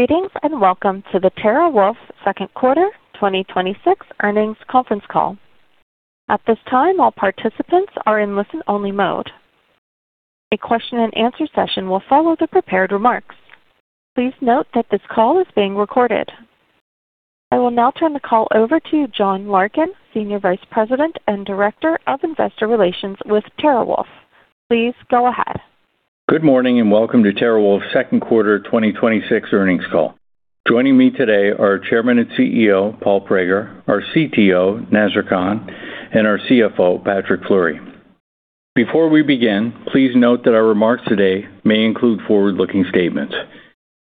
Greetings, welcome to the TeraWulf second quarter 2026 earnings conference call. At this time, all participants are in listen-only mode. A question and answer session will follow the prepared remarks. Please note that this call is being recorded. I will now turn the call over to John Larkin, Senior Vice President and Director of Investor Relations with TeraWulf. Please go ahead. Good morning, welcome to TeraWulf's second quarter 2026 earnings call. Joining me today are Chairman and CEO, Paul Prager, our CTO, Nazar Khan, our CFO, Patrick Fleury. Before we begin, please note that our remarks today may include forward-looking statements.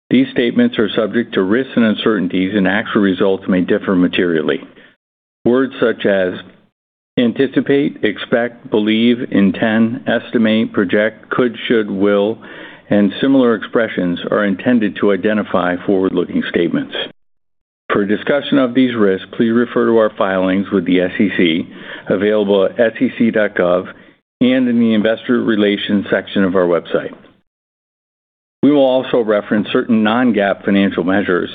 These statements are subject to risks and uncertainties, actual results may differ materially. Words such as anticipate, expect, believe, intend, estimate, project, could, should, will, and similar expressions are intended to identify forward-looking statements. For a discussion of these risks, please refer to our filings with the SEC, available at sec.gov and in the investor relations section of our website. We will also reference certain non-GAAP financial measures.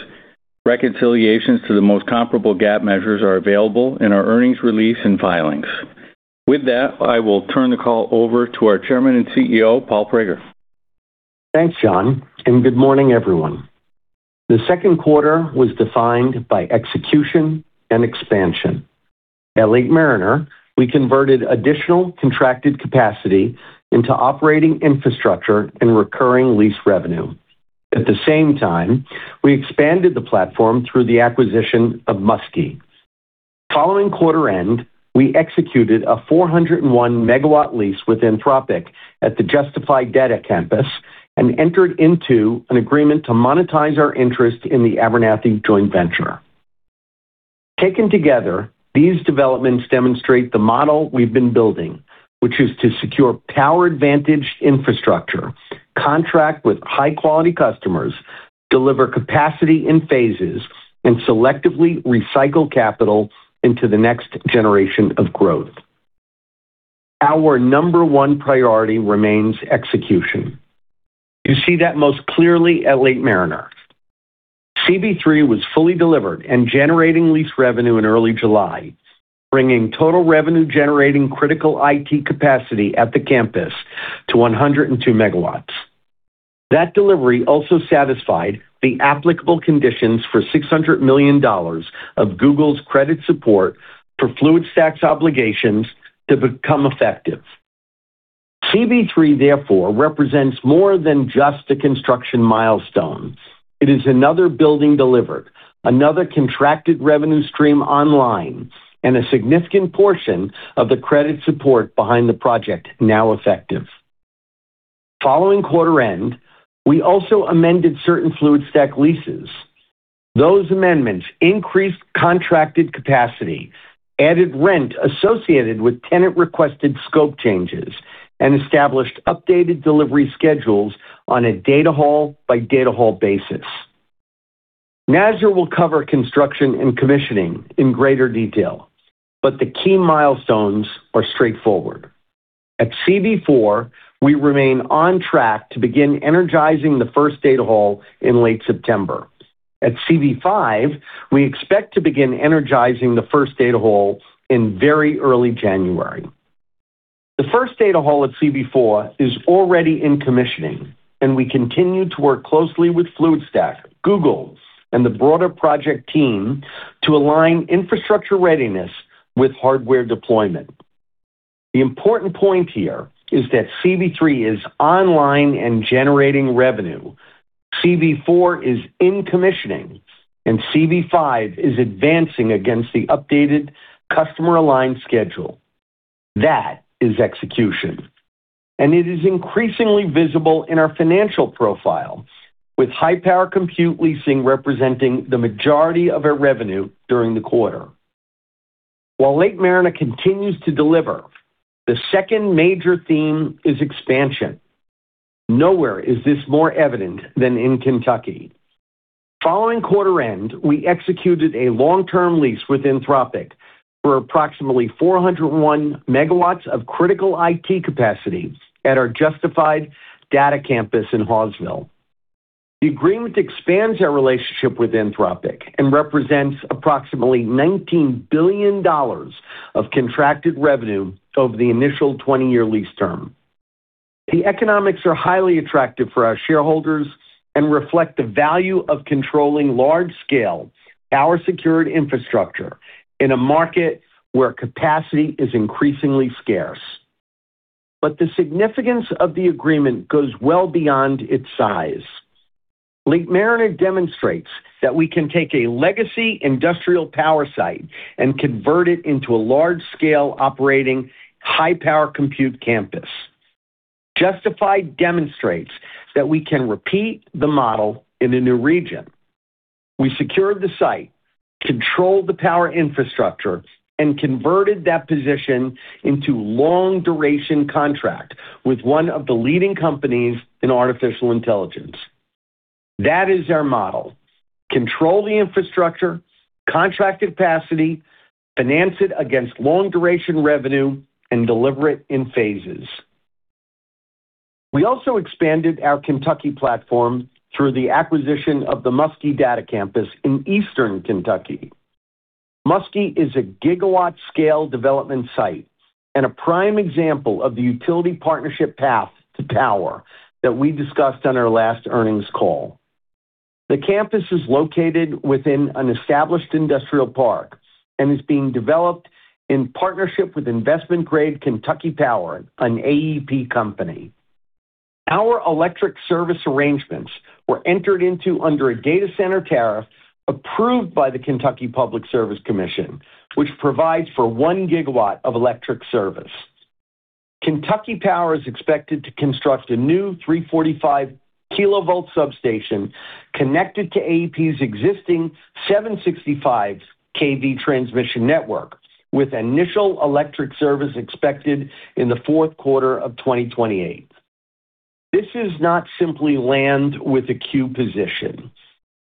Reconciliations to the most comparable GAAP measures are available in our earnings release filings. With that, I will turn the call over to our Chairman and CEO, Paul Prager. Thanks, John, good morning, everyone. The second quarter was defined by execution and expansion. At Lake Mariner, we converted additional contracted capacity into operating infrastructure recurring lease revenue. At the same time, we expanded the platform through the acquisition of Muskie. Following quarter end, we executed a 401-megawatt lease with Anthropic at the Justified Data campus and entered into an agreement to monetize our interest in the Abernathy Joint Venture. Taken together, these developments demonstrate the model we've been building, which is to secure power-advantaged infrastructure, contract with high-quality customers, deliver capacity in phases, selectively recycle capital into the next generation of growth. Our number one priority remains execution. You see that most clearly at Lake Mariner. CB-3 was fully delivered and generating lease revenue in early July, bringing total revenue-generating critical IT capacity at the campus to 102 MW. That delivery also satisfied the applicable conditions for $600 million of Google's credit support for Fluidstack's obligations to become effective. CB-3, therefore, represents more than just a construction milestone. It is another building delivered, another contracted revenue stream online, a significant portion of the credit support behind the project now effective. Following quarter end, we also amended certain Fluidstack leases. Those amendments increased contracted capacity, added rent associated with tenant-requested scope changes, established updated delivery schedules on a data hall by data hall basis. Nazar will cover construction and commissioning in greater detail, the key milestones are straightforward. At CB-4, we remain on track to begin energizing the first data hall in late September. At CB-5, we expect to begin energizing the first data hall in very early January. The first data hall at CB-4 is already in commissioning, and we continue to work closely with Fluidstack, Google, and the broader project team to align infrastructure readiness with hardware deployment. The important point here is that CB-3 is online and generating revenue, CB-4 is in commissioning, and CB-5 is advancing against the updated customer-aligned schedule. That is execution. It is increasingly visible in our financial profile, with high-power compute leasing representing the majority of our revenue during the quarter. While Lake Mariner continues to deliver, the second major theme is expansion. Nowhere is this more evident than in Kentucky. Following quarter end, we executed a long-term lease with Anthropic for approximately 401 MW of critical IT capacity at our Justified Data Campus in Hawesville. The agreement expands our relationship with Anthropic and represents approximately $19 billion of contracted revenue over the initial 20-year lease term. The economics are highly attractive for our shareholders and reflect the value of controlling large-scale, power-secured infrastructure in a market where capacity is increasingly scarce. The significance of the agreement goes well beyond its size. Lake Mariner demonstrates that we can take a legacy industrial power site and convert it into a large-scale operating high-power compute campus. Justified demonstrates that we can repeat the model in a new region. We secured the site, controlled the power infrastructure, and converted that position into long-duration contract with one of the leading companies in artificial intelligence. That is our model: control the infrastructure, contract capacity, finance it against long-duration revenue, and deliver it in phases. We also expanded our Kentucky platform through the acquisition of the Muskie Data Campus in Eastern Kentucky. Muskie is a gigawatt-scale development site and a prime example of the utility partnership path to power that we discussed on our last earnings call. The campus is located within an established industrial park and is being developed in partnership with investment-grade Kentucky Power, an AEP company. Our electric service arrangements were entered into under a data center tariff approved by the Kentucky Public Service Commission, which provides for 1 GW of electric service. Kentucky Power is expected to construct a new 345-kilovolt substation connected to AEP's existing 765 kV transmission network, with initial electric service expected in the fourth quarter of 2028. This is not simply land with a queue position.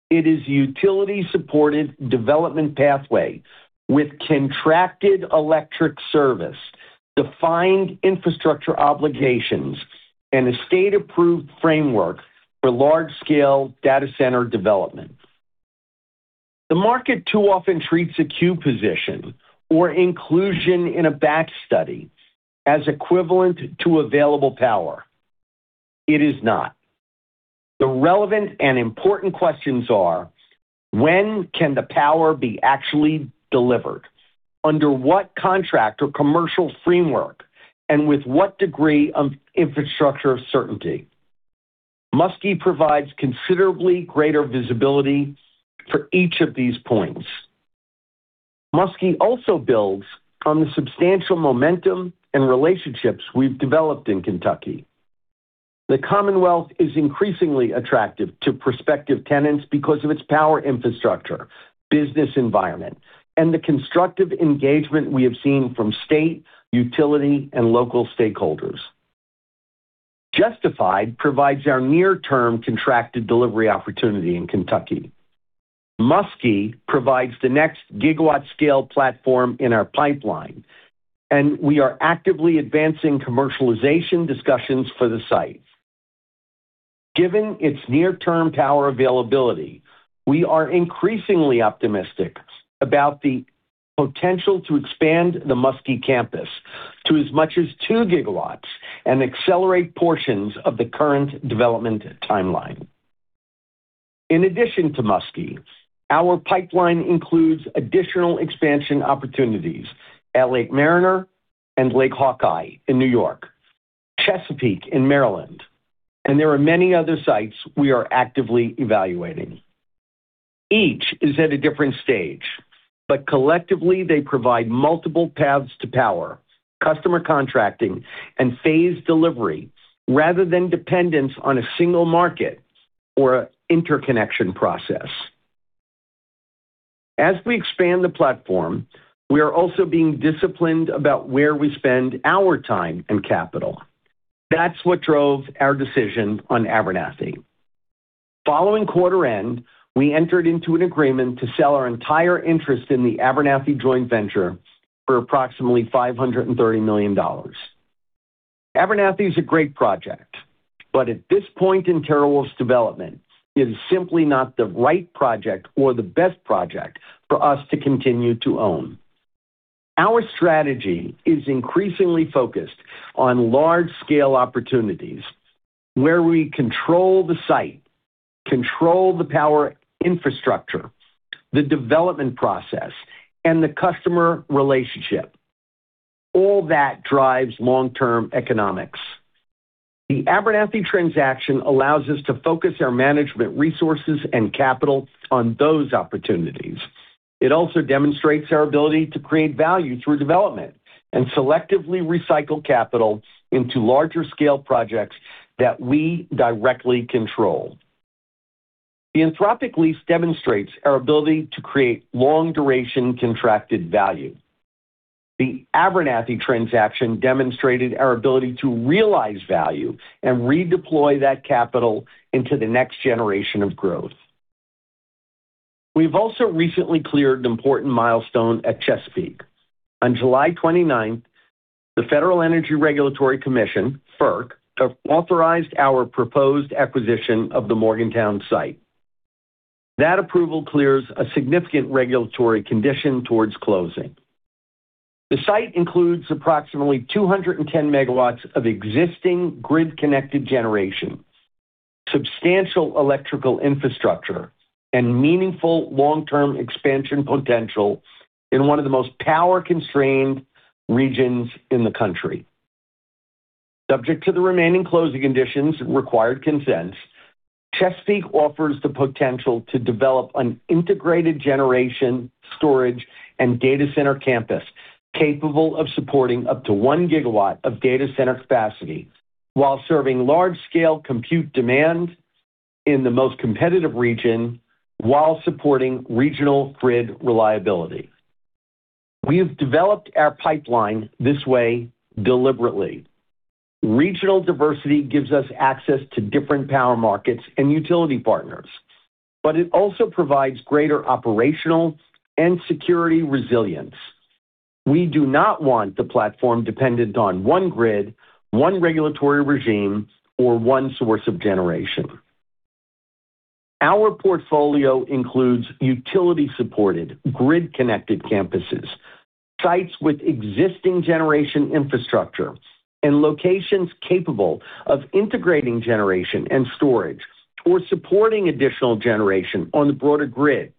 It is utility-supported development pathway with contracted electric service, defined infrastructure obligations, and a state-approved framework for large-scale data center development. The market too often treats a queue position or inclusion in a batch study as equivalent to available power. It is not. The relevant and important questions are: when can the power be actually delivered, under what contract or commercial framework, and with what degree of infrastructure certainty? Muskie provides considerably greater visibility for each of these points. Muskie also builds on the substantial momentum and relationships we've developed in Kentucky. The Commonwealth is increasingly attractive to prospective tenants because of its power infrastructure, business environment, and the constructive engagement we have seen from state, utility, and local stakeholders. Justified provides our near-term contracted delivery opportunity in Kentucky. Muskie provides the next gigawatt-scale platform in our pipeline, and we are actively advancing commercialization discussions for the site. Given its near-term power availability, we are increasingly optimistic about the potential to expand the Muskie Data Campus to as much as 2 GW and accelerate portions of the current development timeline. In addition to Muskie, our pipeline includes additional expansion opportunities at Lake Mariner and Lake Hawkeye in New York, Chesapeake in Maryland, and there are many other sites we are actively evaluating. Each is at a different stage, but collectively they provide multiple paths to power, customer contracting, and phased delivery rather than dependence on a single market or interconnection process. As we expand the platform, we are also being disciplined about where we spend our time and capital. That's what drove our decision on Abernathy. Following quarter end, we entered into an agreement to sell our entire interest in the Abernathy Joint Venture for approximately $530 million. Abernathy is a great project, but at this point in TeraWulf's development, it is simply not the right project or the best project for us to continue to own. Our strategy is increasingly focused on large-scale opportunities where we control the site, control the power infrastructure, the development process, and the customer relationship. All that drives long-term economics. The Abernathy transaction allows us to focus our management resources and capital on those opportunities. It also demonstrates our ability to create value through development and selectively recycle capital into larger scale projects that we directly control. The Anthropic lease demonstrates our ability to create long-duration contracted value. The Abernathy transaction demonstrated our ability to realize value and redeploy that capital into the next generation of growth. We've also recently cleared an important milestone at Chesapeake. On July 29th, the Federal Energy Regulatory Commission, FERC, authorized our proposed acquisition of the Morgantown site. That approval clears a significant regulatory condition towards closing. The site includes approximately 210 MW of existing grid-connected generation, substantial electrical infrastructure, and meaningful long-term expansion potential in one of the most power-constrained regions in the country. Subject to the remaining closing conditions and required consents, Chesapeake offers the potential to develop an integrated generation, storage, and data center campus capable of supporting up to 1 GW of data center capacity while serving large-scale compute demand in the most competitive region while supporting regional grid reliability. We have developed our pipeline this way deliberately. Regional diversity gives us access to different power markets and utility partners, but it also provides greater operational and security resilience. We do not want the platform dependent on one grid, one regulatory regime, or one source of generation. Our portfolio includes utility-supported, grid-connected campuses, sites with existing generation infrastructure, and locations capable of integrating generation and storage or supporting additional generation on the broader grid.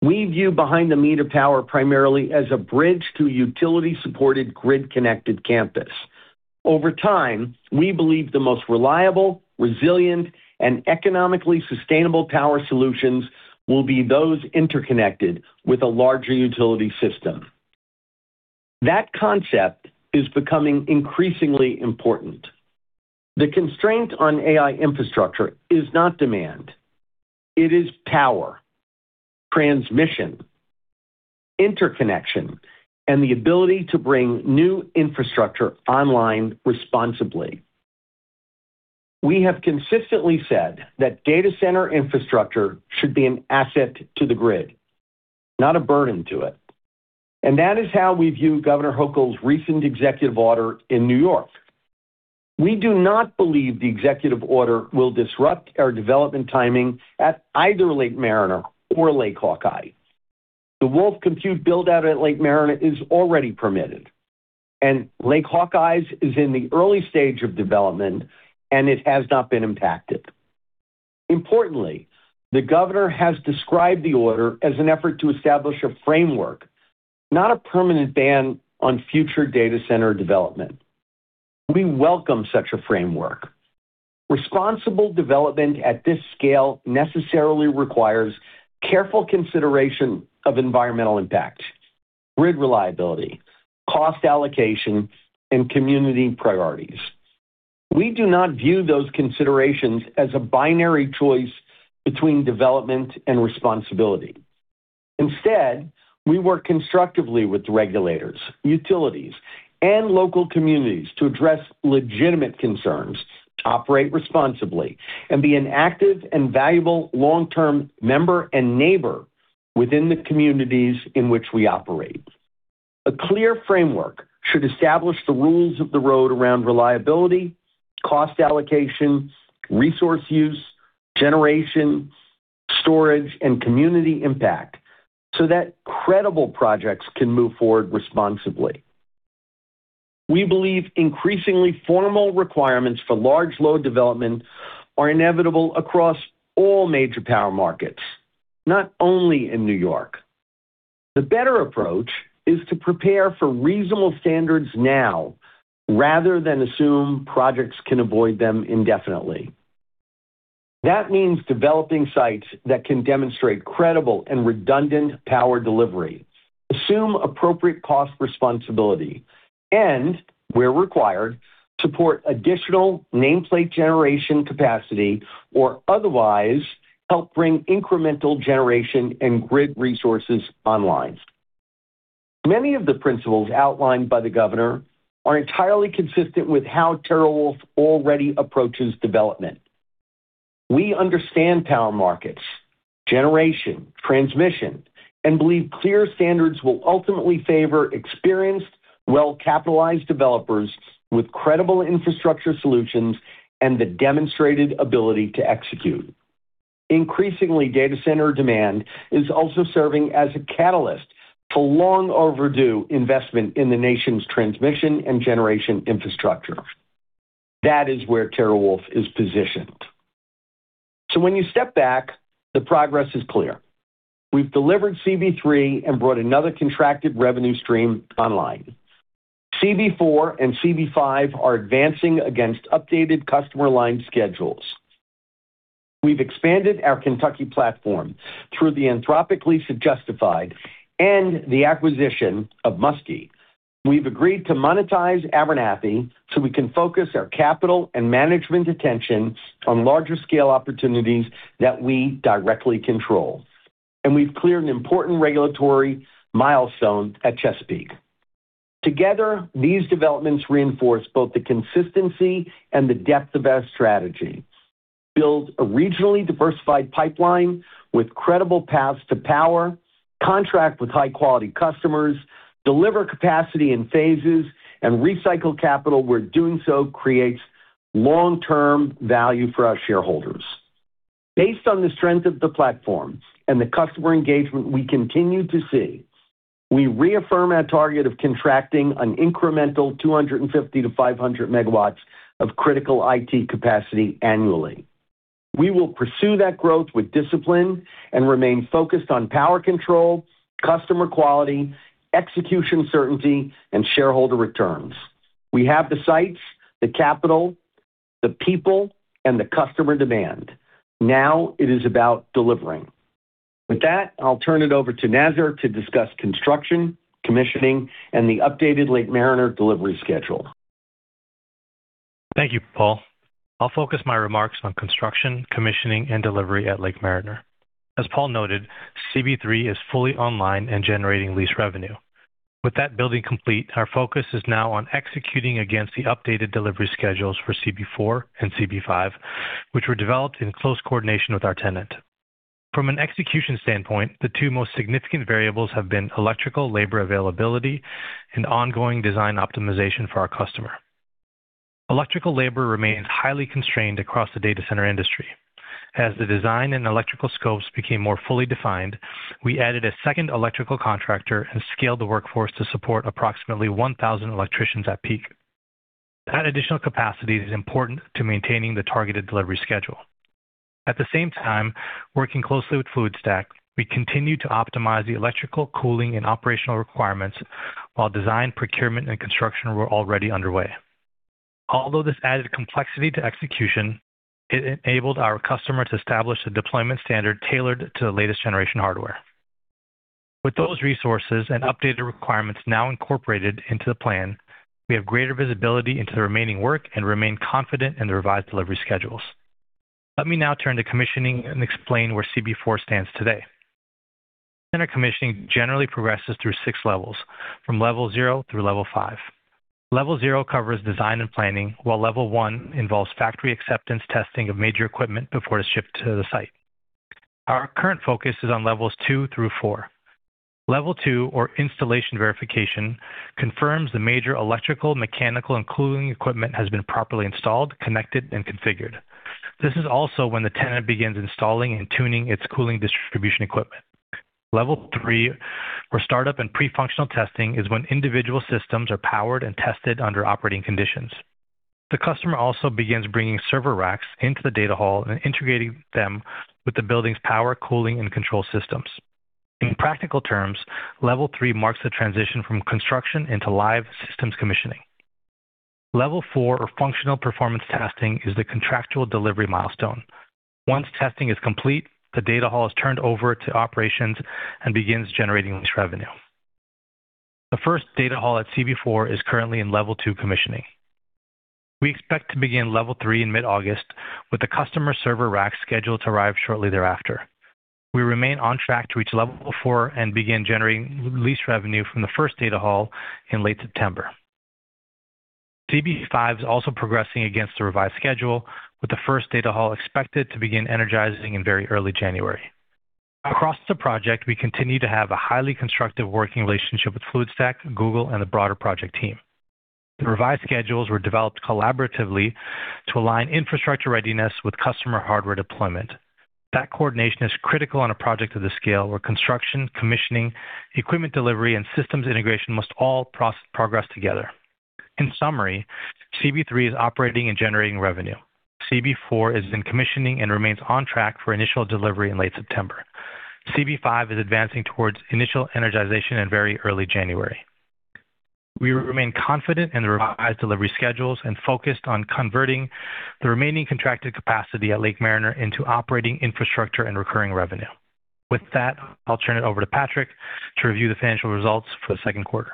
We view behind-the-meter power primarily as a bridge to a utility-supported, grid-connected campus. Over time, we believe the most reliable, resilient, and economically sustainable power solutions will be those interconnected with a larger utility system. That concept is becoming increasingly important. The constraint on AI infrastructure is not demand. It is power, transmission, interconnection, and the ability to bring new infrastructure online responsibly. We have consistently said that data center infrastructure should be an asset to the grid, not a burden to it, and that is how we view Governor Hochul's recent executive order in New York. We do not believe the executive order will disrupt our development timing at either Lake Mariner or Lake Hawkeye. The WULF Compute build-out at Lake Mariner is already permitted, and Lake Hawkeye's is in the early stage of development, and it has not been impacted. Importantly, the governor has described the order as an effort to establish a framework, not a permanent ban on future data center development. We welcome such a framework. Responsible development at this scale necessarily requires careful consideration of environmental impact, grid reliability, cost allocation, and community priorities. We do not view those considerations as a binary choice between development and responsibility. Instead, we work constructively with regulators, utilities, and local communities to address legitimate concerns, operate responsibly, and be an active and valuable long-term member and neighbor within the communities in which we operate. A clear framework should establish the rules of the road around reliability, cost allocation, resource use, generation, storage, and community impact so that credible projects can move forward responsibly. We believe increasingly formal requirements for large load development are inevitable across all major power markets, not only in New York. The better approach is to prepare for reasonable standards now rather than assume projects can avoid them indefinitely. That means developing sites that can demonstrate credible and redundant power delivery, assume appropriate cost responsibility, and, where required, support additional nameplate generation capacity or otherwise help bring incremental generation and grid resources online. Many of the principles outlined by the governor are entirely consistent with how TeraWulf already approaches development. We understand power markets, generation, transmission, and believe clear standards will ultimately favor experienced, well-capitalized developers with credible infrastructure solutions and the demonstrated ability to execute. Increasingly, data center demand is also serving as a catalyst to long-overdue investment in the nation's transmission and generation infrastructure. That is where TeraWulf is positioned. When you step back, the progress is clear. We've delivered CB-3 and brought another contracted revenue stream online. CB-4 and CB-5 are advancing against updated customer line schedules. We've expanded our Kentucky platform through the Anthropic lease at Justified and the acquisition of Muskie. We've agreed to monetize Abernathy so we can focus our capital and management attention on larger-scale opportunities that we directly control. We've cleared an important regulatory milestone at Chesapeake. Together, these developments reinforce both the consistency and the depth of our strategy: build a regionally diversified pipeline with credible paths to power, contract with high-quality customers, deliver capacity in phases, and recycle capital where doing so creates long-term value for our shareholders. Based on the strength of the platform and the customer engagement we continue to see, we reaffirm our target of contracting an incremental 250-500 MW of critical IT capacity annually. We will pursue that growth with discipline and remain focused on power control, customer quality, execution certainty, and shareholder returns. We have the sites, the capital, the people, and the customer demand. Now it is about delivering. With that, I'll turn it over to Nazar to discuss construction, commissioning, and the updated Lake Mariner delivery schedule. Thank you, Paul. I'll focus my remarks on construction, commissioning, and delivery at Lake Mariner. As Paul noted, CB-3 is fully online and generating lease revenue. With that building complete, our focus is now on executing against the updated delivery schedules for CB-4 and CB-5, which were developed in close coordination with our tenant. From an execution standpoint, the two most significant variables have been electrical labor availability and ongoing design optimization for our customer. Electrical labor remains highly constrained across the data center industry. As the design and electrical scopes became more fully defined, we added a second electrical contractor and scaled the workforce to support approximately 1,000 electricians at peak. That additional capacity is important to maintaining the targeted delivery schedule. At the same time, working closely with Fluidstack, we continue to optimize the electrical cooling and operational requirements while design, procurement, and construction were already underway. This added complexity to execution, it enabled our customer to establish a deployment standard tailored to the latest generation hardware. With those resources and updated requirements now incorporated into the plan, we have greater visibility into the remaining work and remain confident in the revised delivery schedules. Let me now turn to commissioning and explain where CB-4 stands today. Center commissioning generally progresses through 6 levels, from level 0 through level 5. Level 0 covers design and planning, while level 1 involves factory acceptance testing of major equipment before it is shipped to the site. Our current focus is on levels 2 through 4. Level 2, or installation verification, confirms the major electrical, mechanical, and cooling equipment has been properly installed, connected, and configured. This is also when the tenant begins installing and tuning its cooling distribution equipment. Level 3, where startup and pre-functional testing, is when individual systems are powered and tested under operating conditions. The customer also begins bringing server racks into the data hall and integrating them with the building's power cooling and control systems. In practical terms, level 3 marks the transition from construction into live systems commissioning. Level 4, or functional performance testing, is the contractual delivery milestone. Once testing is complete, the data hall is turned over to operations and begins generating lease revenue. The first data hall at CB-4 is currently in level 2 commissioning. We expect to begin level 3 in mid-August, with the customer server rack scheduled to arrive shortly thereafter. We remain on track to reach level 4 and begin generating lease revenue from the first data hall in late September. CB-5 is also progressing against the revised schedule, with the first data hall expected to begin energizing in very early January. Across the project, we continue to have a highly constructive working relationship with Fluidstack and Google, and the broader project team. The revised schedules were developed collaboratively to align infrastructure readiness with customer hardware deployment. That coordination is critical on a project of this scale, where construction, commissioning, equipment delivery, and systems integration must all progress together. In summary, CB-3 is operating and generating revenue. CB-4 is in commissioning and remains on track for initial delivery in late September. CB-5 is advancing towards initial energization in very early January. We remain confident in the revised delivery schedules and focused on converting the remaining contracted capacity at Lake Mariner into operating infrastructure and recurring revenue. With that, I'll turn it over to Patrick to review the financial results for the second quarter.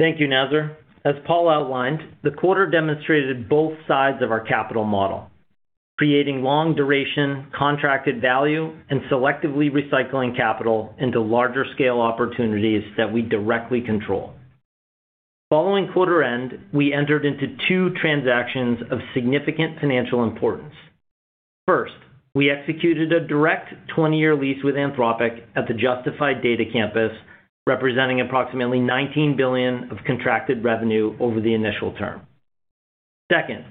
Thank you, Nazar. As Paul outlined, the quarter demonstrated both sides of our capital model, creating long-duration contracted value and selectively recycling capital into larger-scale opportunities that we directly control. Following quarter end, we entered into two transactions of significant financial importance. First, we executed a direct 20-year lease with Anthropic at the Justified Data Campus, representing approximately $19 billion of contracted revenue over the initial term. Second,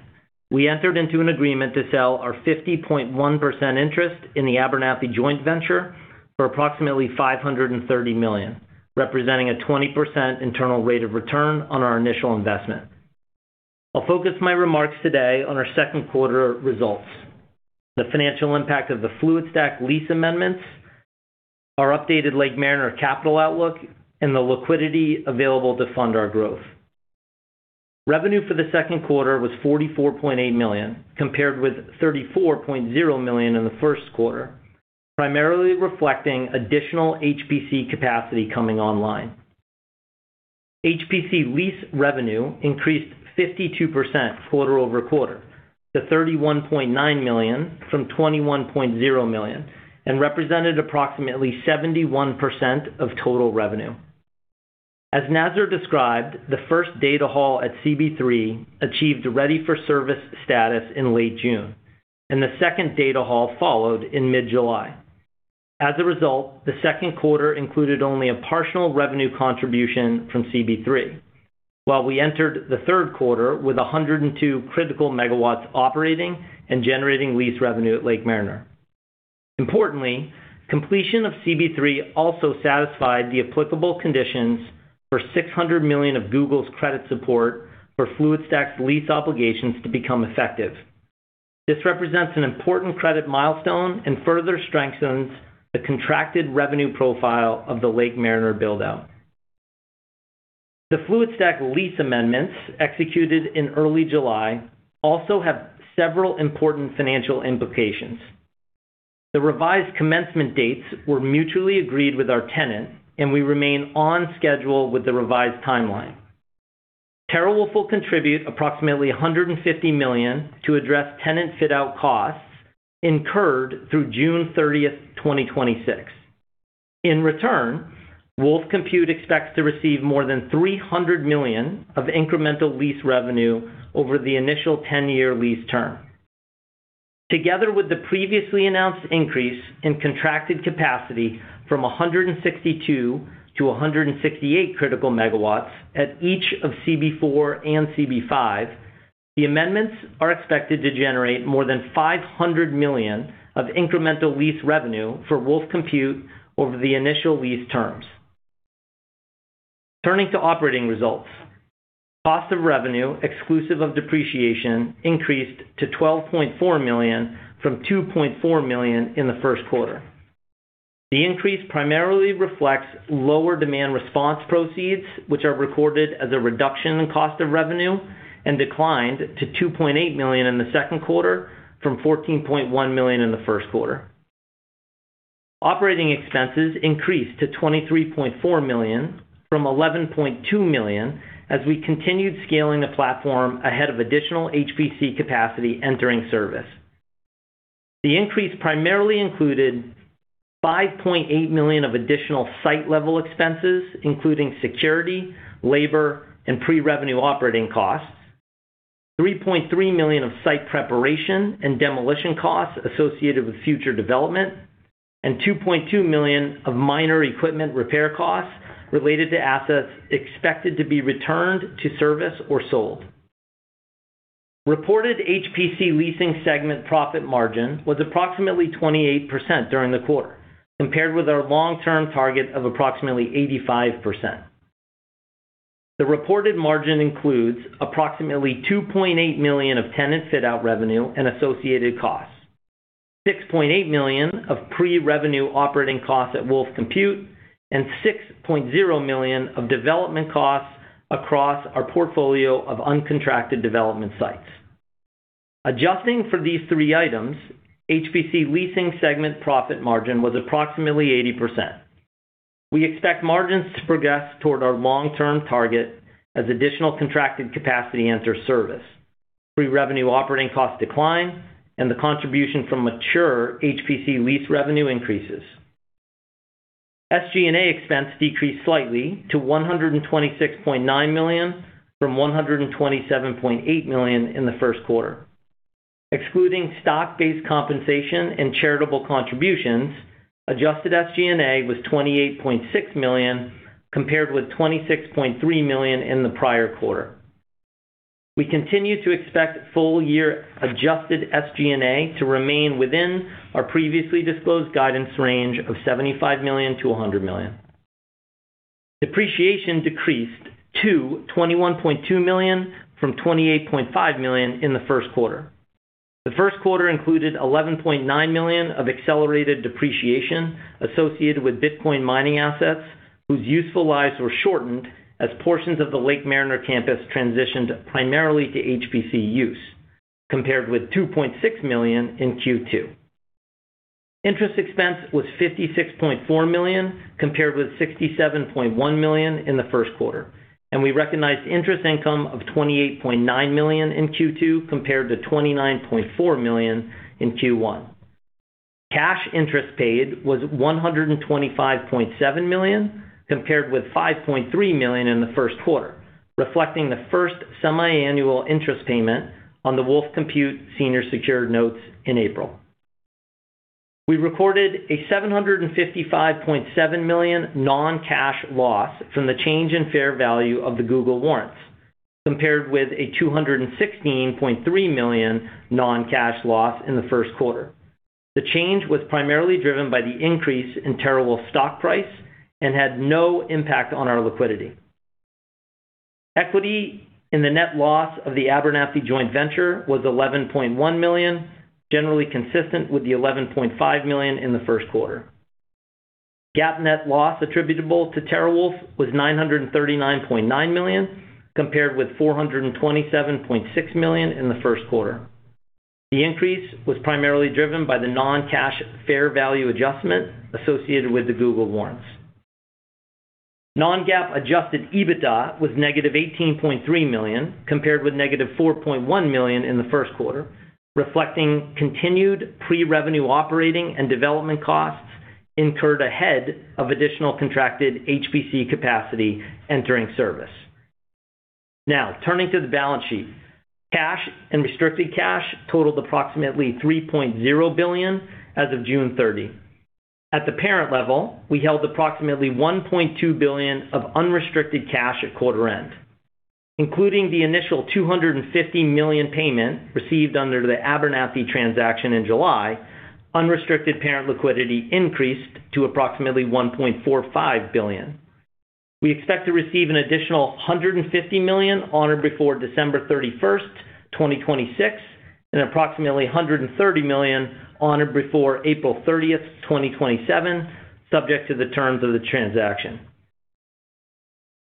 we entered into an agreement to sell our 50.1% interest in the Abernathy Joint Venture for approximately $530 million, representing a 20% internal rate of return on our initial investment. I'll focus my remarks today on our second quarter results, the financial impact of the Fluidstack lease amendments, our updated Lake Mariner capital outlook, and the liquidity available to fund our growth. Revenue for the second quarter was $44.8 million, compared with $34.0 million in the first quarter, primarily reflecting additional HPC capacity coming online. HPC lease revenue increased 52% quarter-over-quarter to $31.9 million from $21.0 million and represented approximately 71% of total revenue. As Nazar described, the first data hall at CB-3 achieved ready-for-service status in late June, and the second data hall followed in mid-July. As a result, the second quarter included only a partial revenue contribution from CB-3, while we entered the third quarter with 102 critical megawatts operating and generating lease revenue at Lake Mariner. Importantly, completion of CB-3 also satisfied the applicable conditions for $600 million of Google's credit support for Fluidstack's lease obligations to become effective. This represents an important credit milestone and further strengthens the contracted revenue profile of the Lake Mariner build-out. The Fluidstack lease amendments executed in early July also have several important financial implications. The revised commencement dates were mutually agreed with our tenant, and we remain on schedule with the revised timeline. TeraWulf will contribute approximately $150 million to address tenant fit-out costs incurred through June 30th, 2026. In return, WULF Compute expects to receive more than $300 million of incremental lease revenue over the initial 10-year lease term. Together with the previously announced increase in contracted capacity from 162-168 critical megawatts at each of CB-4 and CB-5, the amendments are expected to generate more than $500 million of incremental lease revenue for WULF Compute over the initial lease terms. Turning to operating results. Cost of revenue exclusive of depreciation increased to $12.4 million from $2.4 million in the first quarter. The increase primarily reflects lower demand response proceeds, which are recorded as a reduction in cost of revenue and declined to $2.8 million in the second quarter from $14.1 million in the first quarter. Operating expenses increased to $23.4 million from $11.2 million as we continued scaling the platform ahead of additional HPC capacity entering service. The increase primarily included $5.8 million of additional site-level expenses, including security, labor, and pre-revenue operating costs, $3.3 million of site preparation and demolition costs associated with future development, and $2.2 million of minor equipment repair costs related to assets expected to be returned to service or sold. Reported HPC leasing segment profit margin was approximately 28% during the quarter, compared with our long-term target of approximately 85%. The reported margin includes approximately $2.8 million of tenant fit-out revenue and associated costs, $6.8 million of pre-revenue operating costs at WULF Compute, and $6.0 million of development costs across our portfolio of uncontracted development sites. Adjusting for these three items, HPC leasing segment profit margin was approximately 80%. We expect margins to progress toward our long-term target as additional contracted capacity enter service, pre-revenue operating costs decline, and the contribution from mature HPC lease revenue increases. SG&A expense decreased slightly to $126.9 million from $127.8 million in the first quarter. Excluding stock-based compensation and charitable contributions, adjusted SG&A was $28.6 million, compared with $26.3 million in the prior quarter. We continue to expect full year adjusted SG&A to remain within our previously disclosed guidance range of $75 million-$100 million. Depreciation decreased to $21.2 million from $28.5 million in the first quarter. The first quarter included $11.9 million of accelerated depreciation associated with bitcoin mining assets whose useful lives were shortened as portions of the Lake Mariner campus transitioned primarily to HPC use, compared with $2.6 million in Q2. Interest expense was $56.4 million, compared with $67.1 million in the first quarter, and we recognized interest income of $28.9 million in Q2 compared to $29.4 million in Q1. Cash interest paid was $125.7 million compared with $5.3 million in the first quarter, reflecting the first semiannual interest payment on the WULF Compute senior secured notes in April. We recorded a $755.7 million non-cash loss from the change in fair value of the Google warrants, compared with a $216.3 million non-cash loss in the first quarter. The change was primarily driven by the increase in TeraWulf stock price and had no impact on our liquidity. Equity in the net loss of the Abernathy Joint Venture was $11.1 million, generally consistent with the $11.5 million in the first quarter. GAAP net loss attributable to TeraWulf was $939.9 million, compared with $427.6 million in the first quarter. The increase was primarily driven by the non-cash fair value adjustment associated with the Google warrants. Non-GAAP adjusted EBITDA was -$18.3 million, compared with -$4.1 million in the first quarter, reflecting continued pre-revenue operating and development costs incurred ahead of additional contracted HPC capacity entering service. Now, turning to the balance sheet. Cash and restricted cash totaled approximately $3.0 billion as of June 30. At the parent level, we held approximately $1.2 billion of unrestricted cash at quarter end. Including the initial $250 million payment received under the Abernathy transaction in July, unrestricted parent liquidity increased to approximately $1.45 billion. We expect to receive an additional $150 million on or before December 31st, 2026 and approximately $130 million on or before April 30th, 2027, subject to the terms of the transaction.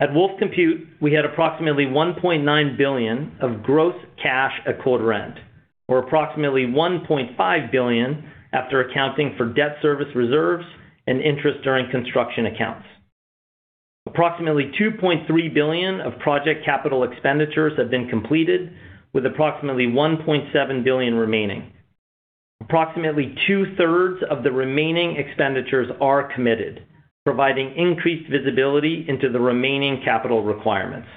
At WULF Compute, we had approximately $1.9 billion of gross cash at quarter end, or approximately $1.5 billion after accounting for debt service reserves and interest during construction accounts. Approximately $2.3 billion of project capital expenditures have been completed, with approximately $1.7 billion remaining. Approximately 2/3 of the remaining expenditures are committed, providing increased visibility into the remaining capital requirements.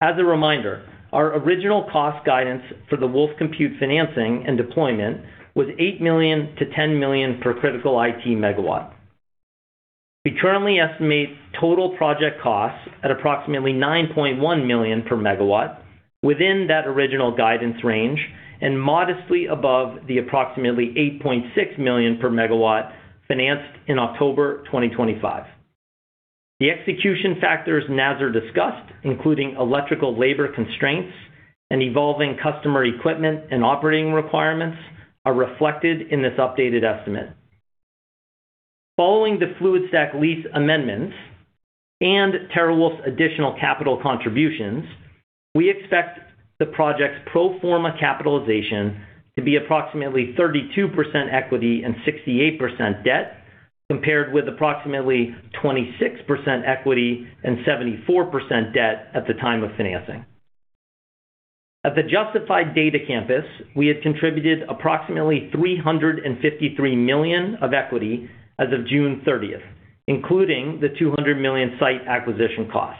As a reminder, our original cost guidance for the WULF Compute financing and deployment was $8 million-$10 million per critical IT megawatt. We currently estimate total project costs at approximately $9.1 million per megawatt within that original guidance range and modestly above the approximately $8.6 million per megawatt financed in October 2025. The execution factors Nazar discussed, including electrical labor constraints and evolving customer equipment and operating requirements, are reflected in this updated estimate. Following the Fluidstack lease amendments and TeraWulf's additional capital contributions, we expect the project's pro forma capitalization to be approximately 32% equity and 68% debt, compared with approximately 26% equity and 74% debt at the time of financing. At the Justified Data Campus, we had contributed approximately $353 million of equity as of June 30th, including the $200 million site acquisition cost.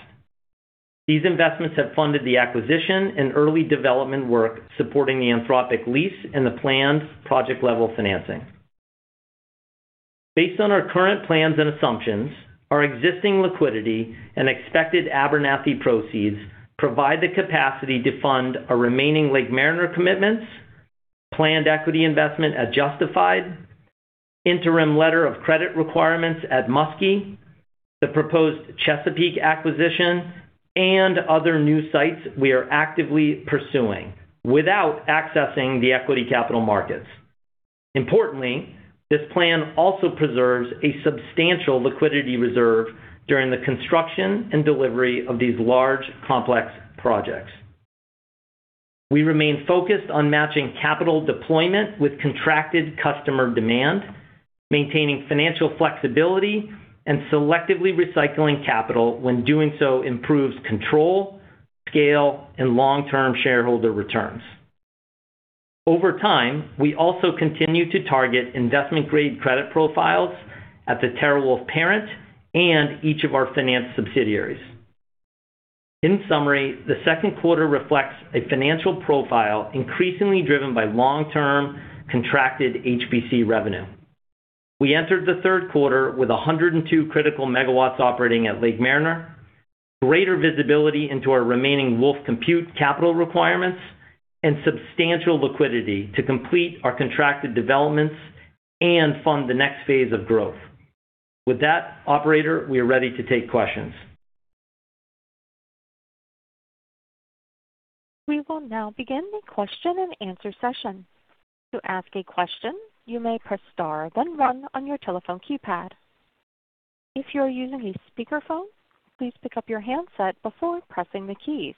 These investments have funded the acquisition and early development work supporting the Anthropic lease and the planned project-level financing. Based on our current plans and assumptions, our existing liquidity and expected Abernathy proceeds provide the capacity to fund our remaining Lake Mariner commitments, planned equity investment at Muskie, interim letter of credit requirements at Muskie, the proposed Chesapeake acquisition, other new sites we are actively pursuing without accessing the equity capital markets. Importantly, this plan also preserves a substantial liquidity reserve during the construction and delivery of these large, complex projects. We remain focused on matching capital deployment with contracted customer demand, maintaining financial flexibility, and selectively recycling capital when doing so improves control, scale, and long-term shareholder returns. Over time, we also continue to target investment-grade credit profiles at the TeraWulf parent and each of our finance subsidiaries. In summary, the second quarter reflects a financial profile increasingly driven by long-term, contracted HPC revenue. We entered the third quarter with 102 critical megawatts operating at Lake Mariner, greater visibility into our remaining WULF Compute capital requirements, and substantial liquidity to complete our contracted developments and fund the next phase of growth. With that, operator, we are ready to take questions. We will now begin the question and answer session. To ask a question, you may press star then one on your telephone keypad. If you are using a speakerphone, please pick up your handset before pressing the keys.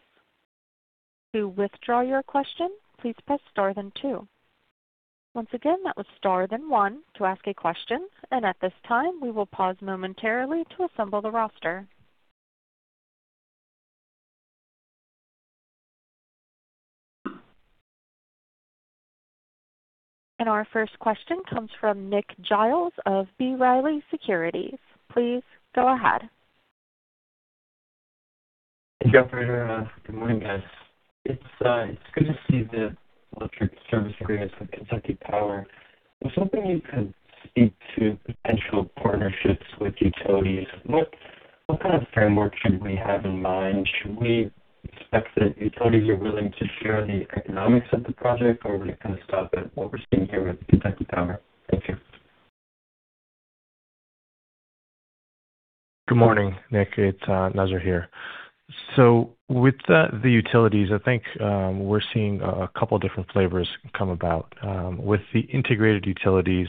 To withdraw your question, please press star then two. Once again, that was star then one to ask a question, at this time, we will pause momentarily to assemble the roster. Our first question comes from Nick Giles of B. Riley Securities. Please go ahead. Hey, Jeff. Good morning, guys. It's good to see the electric service agreements with Kentucky Power. I was hoping you could speak to potential partnerships with utilities. What kind of framework should we have in mind? Should we expect that utilities are willing to share the economics of the project, or would it kind of stop at what we're seeing here with Kentucky Power? Thank you. Good morning, Nick. It's Nazar here. With the utilities, I think we're seeing a couple different flavors come about. With the integrated utilities,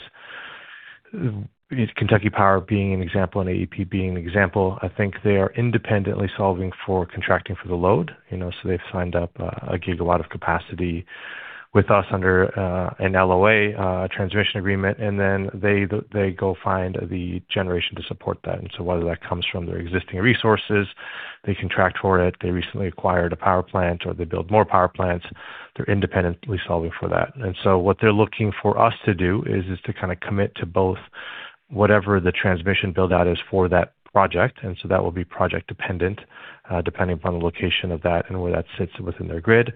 Kentucky Power being an example and AEP being an example, I think they are independently solving for contracting for the load. They've signed up a gigawatt of capacity with us under an LOA, a transmission agreement, then they go find the generation to support that. Whether that comes from their existing resources, they contract for it, they recently acquired a power plant, or they build more power plants, they're independently solving for that. What they're looking for us to do is to kind of commit to both whatever the transmission build-out is for that project, that will be project-dependent, depending upon the location of that and where that sits within their grid,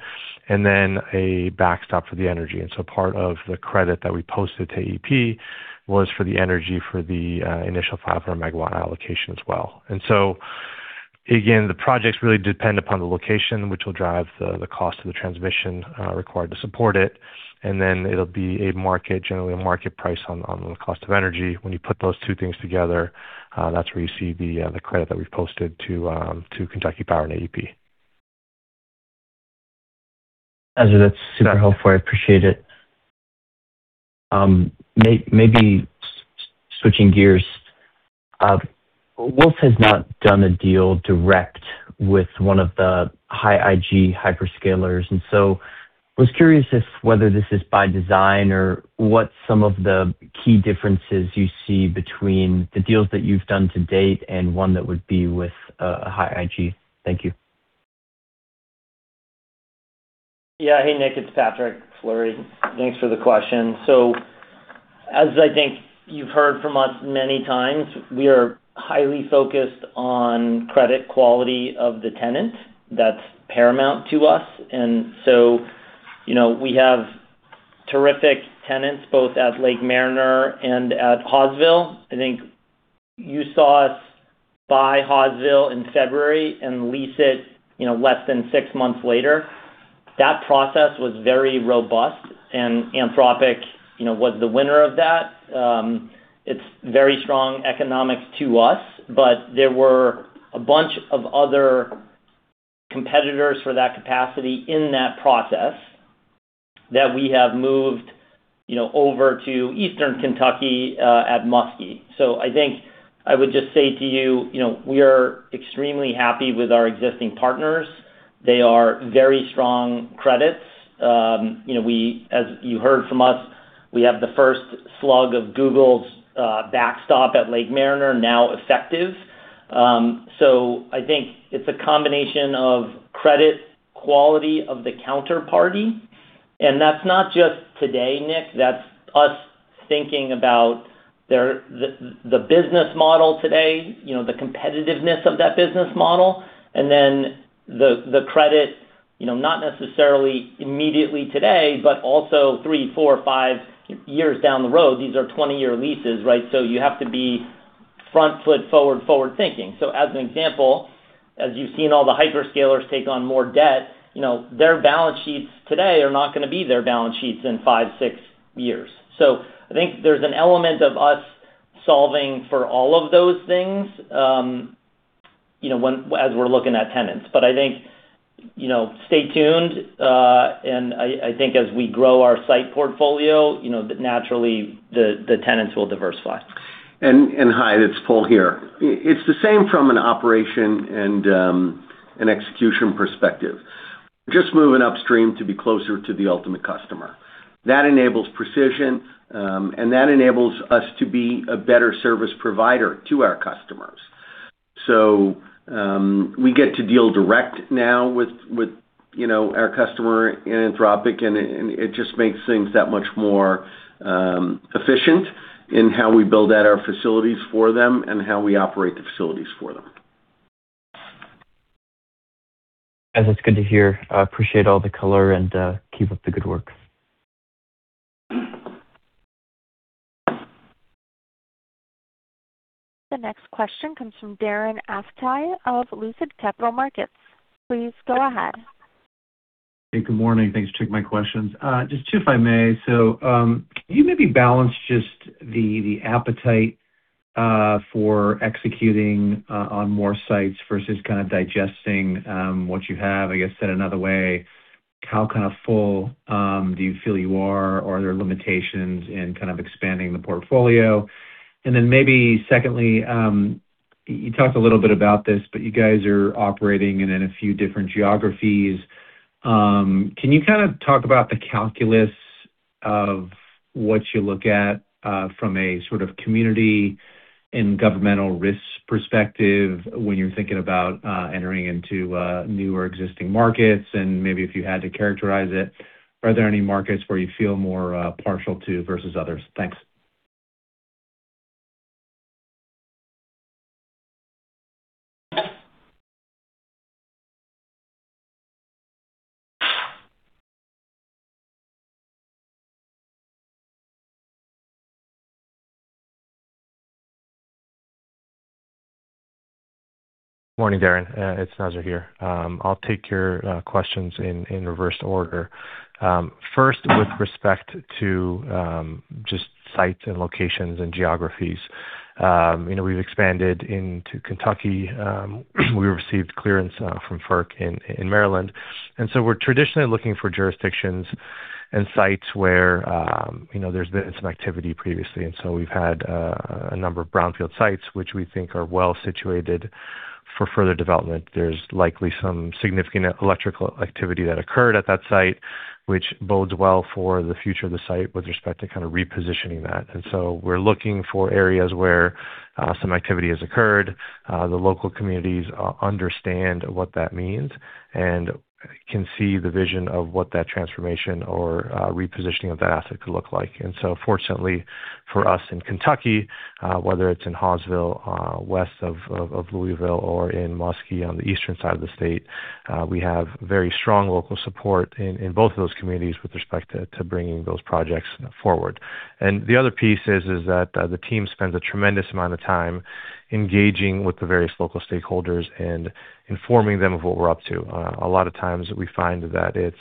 then a backstop for the energy. Part of the credit that we posted to AEP was for the energy for the initial 500 MW allocation as well. Again, the projects really depend upon the location, which will drive the cost of the transmission required to support it, then it'll be a market, generally a market price on the cost of energy. When you put those two things together, that's where you see the credit that we've posted to Kentucky Power and AEP. Naz, that's super helpful. I appreciate it. Switching gears, I was curious whether this is by design or what some of the key differences you see between the deals that you've done to date and one that would be with a high IG. Thank you. Hey, Nick, it's Patrick Fleury. Thanks for the question. As I think you've heard from us many times, we are highly focused on credit quality of the tenant. That's paramount to us. We have terrific tenants both at Lake Mariner and at Hawesville. I think you saw us buy Hawesville in February and lease it less than six months later. That process was very robust, and Anthropic was the winner of that. It's very strong economics to us, but there were a bunch of other competitors for that capacity in that process that we have moved over to Eastern Kentucky, at Muskie. I think I would just say to you, we are extremely happy with our existing partners. They are very strong credits. As you heard from us, we have the first slug of Google's backstop at Lake Mariner now effective. I think it's a combination of credit quality of the counterparty. That's not just today, Nick. That's us thinking about the business model today, the competitiveness of that business model, and then the credit, not necessarily immediately today, but also three, four, five years down the road. These are 20-year leases, right? You have to be front foot forward thinking. As an example, as you've seen all the hyperscalers take on more debt, their balance sheets today are not going to be their balance sheets in five, six years. I think there's an element of us solving for all of those things as we're looking at tenants. I think, stay tuned, and I think as we grow our site portfolio, naturally the tenants will diversify. Hi, it's Paul here. It's the same from an operation and an execution perspective. Just moving upstream to be closer to the ultimate customer. That enables precision, and that enables us to be a better service provider to our customers. We get to deal direct now with our customer, Anthropic, and it just makes things that much more efficient in how we build out our facilities for them and how we operate the facilities for them. That's good to hear. I appreciate all the color and keep up the good work. The next question comes from Darren Aftahi of Lucid Capital Markets. Please go ahead. Hey, good morning. Thanks for taking my questions. Just two, if I may. Can you maybe balance just the appetite for executing on more sites versus kind of digesting what you have? I guess said another way, how kind of full do you feel you are? Are there limitations in kind of expanding the portfolio? Secondly, you talked a little bit about this, but you guys are operating in a few different geographies. Can you kind of talk about the calculus of what you look at, from a sort of community and governmental risk perspective when you're thinking about entering into new or existing markets? Maybe if you had to characterize it, are there any markets where you feel more partial to versus others? Thanks. Morning, Darren. It's Nazar here. I'll take your questions in reversed order. First, with respect to just sites and locations and geographies. We've expanded into Kentucky. We received clearance from FERC in Maryland. We're traditionally looking for jurisdictions and sites where there's been some activity previously. We've had a number of brownfield sites, which we think are well situated for further development. There's likely some significant electrical activity that occurred at that site, which bodes well for the future of the site with respect to kind of repositioning that. We're looking for areas where some activity has occurred. The local communities understand what that means and can see the vision of what that transformation or repositioning of that asset could look like. Fortunately for us in Kentucky, whether it's in Hawesville, west of Louisville or in Muskie on the eastern side of the state, we have very strong local support in both of those communities with respect to bringing those projects forward. The other piece is that the team spends a tremendous amount of time engaging with the various local stakeholders and informing them of what we're up to. A lot of times we find that it's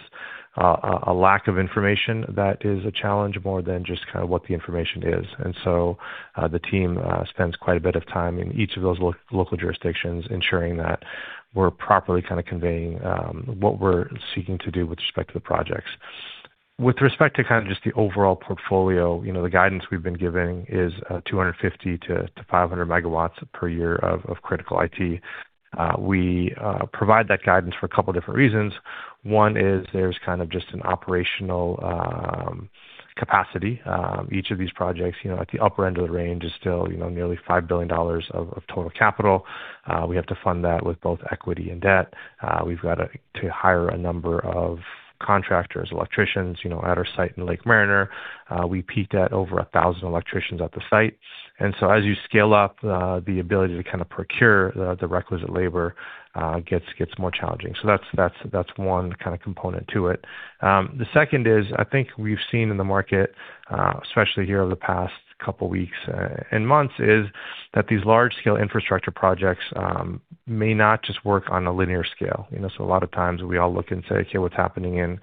a lack of information that is a challenge more than just kind of what the information is. The team spends quite a bit of time in each of those local jurisdictions ensuring that we're properly kind of conveying what we're seeking to do with respect to the projects. With respect to kind of just the overall portfolio, the guidance we've been giving is 250-500 MW per year of critical IT. We provide that guidance for a couple different reasons. One is there's kind of just an operational capacity. Each of these projects at the upper end of the range is still nearly $5 billion of total capital. We have to fund that with both equity and debt. We've got to hire a number of contractors, electricians. At our site in Lake Mariner, we peaked at over 1,000 electricians at the site. As you scale up, the ability to kind of procure the requisite labor gets more challenging. That's one kind of component to it. The second is, I think we've seen in the market, especially here over the past couple weeks and months, is that these large-scale infrastructure projects may not just work on a linear scale. A lot of times we all look and say, "Okay, what's happening in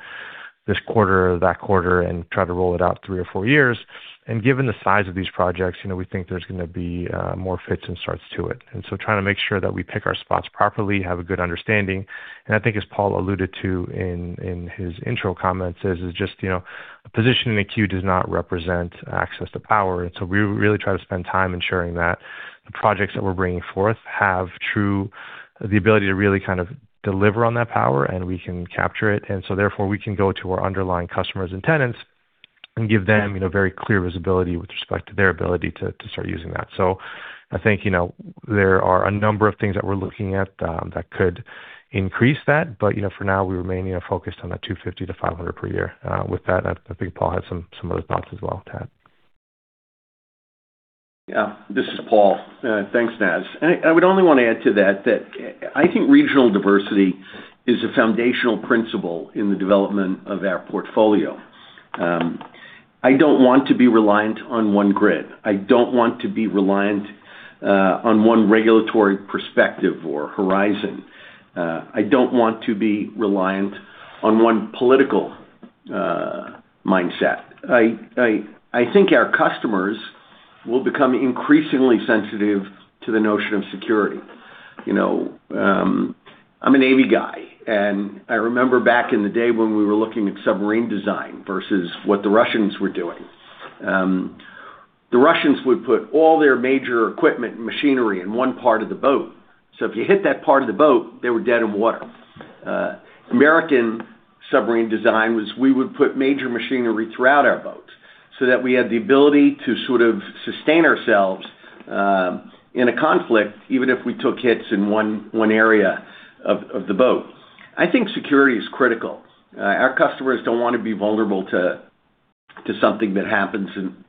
this quarter or that quarter?" Try to roll it out three or four years. Given the size of these projects, we think there's going to be more fits and starts to it. Trying to make sure that we pick our spots properly, have a good understanding. I think as Paul alluded to in his intro comments, is just a position in the queue does not represent access to power. We really try to spend time ensuring that the projects that we're bringing forth have the ability to really kind of deliver on that power, and we can capture it. Therefore, we can go to our underlying customers and tenants and give them very clear visibility with respect to their ability to start using that. I think there are a number of things that we're looking at that could increase that. For now, we remain focused on that 250-500 MW per year. With that, I think Paul has some other thoughts as well. Tad? Yeah. This is Paul. Thanks, Naz. I would only want to add to that I think regional diversity is a foundational principle in the development of our portfolio. I don't want to be reliant on one grid. I don't want to be reliant on one regulatory perspective or horizon. I don't want to be reliant on one political mindset. I think our customers will become increasingly sensitive to the notion of security. I'm a Navy guy, and I remember back in the day when we were looking at submarine design versus what the Russians were doing. The Russians would put all their major equipment and machinery in one part of the boat, so if you hit that part of the boat, they were dead in water. American submarine design was, we would put major machinery throughout our boats so that we had the ability to sort of sustain ourselves, in a conflict, even if we took hits in one area of the boat. I think security is critical. Our customers don't want to be vulnerable to something that happens in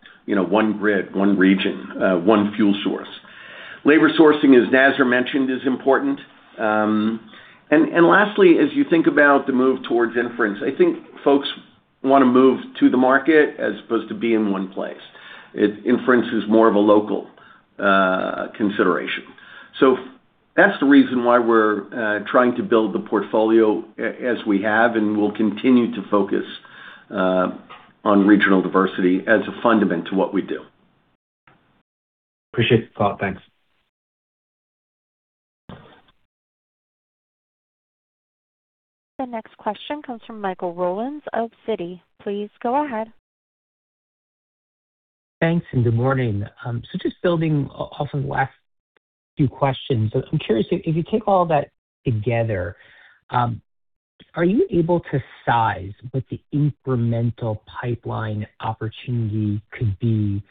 one grid, one region, one fuel source. Labor sourcing, as Nazar mentioned, is important. Lastly, as you think about the move towards inference, I think folks want to move to the market as opposed to be in one place. Inference is more of a local consideration. That's the reason why we're trying to build the portfolio as we have, and we'll continue to focus on regional diversity as a fundament to what we do. Appreciate it, Paul. Thanks. The next question comes from Michael Rollins of Citi. Please go ahead. Thanks, good morning. Just building off of the last few questions. I'm curious, if you take all that together, are you able to size what the incremental pipeline opportunity could be?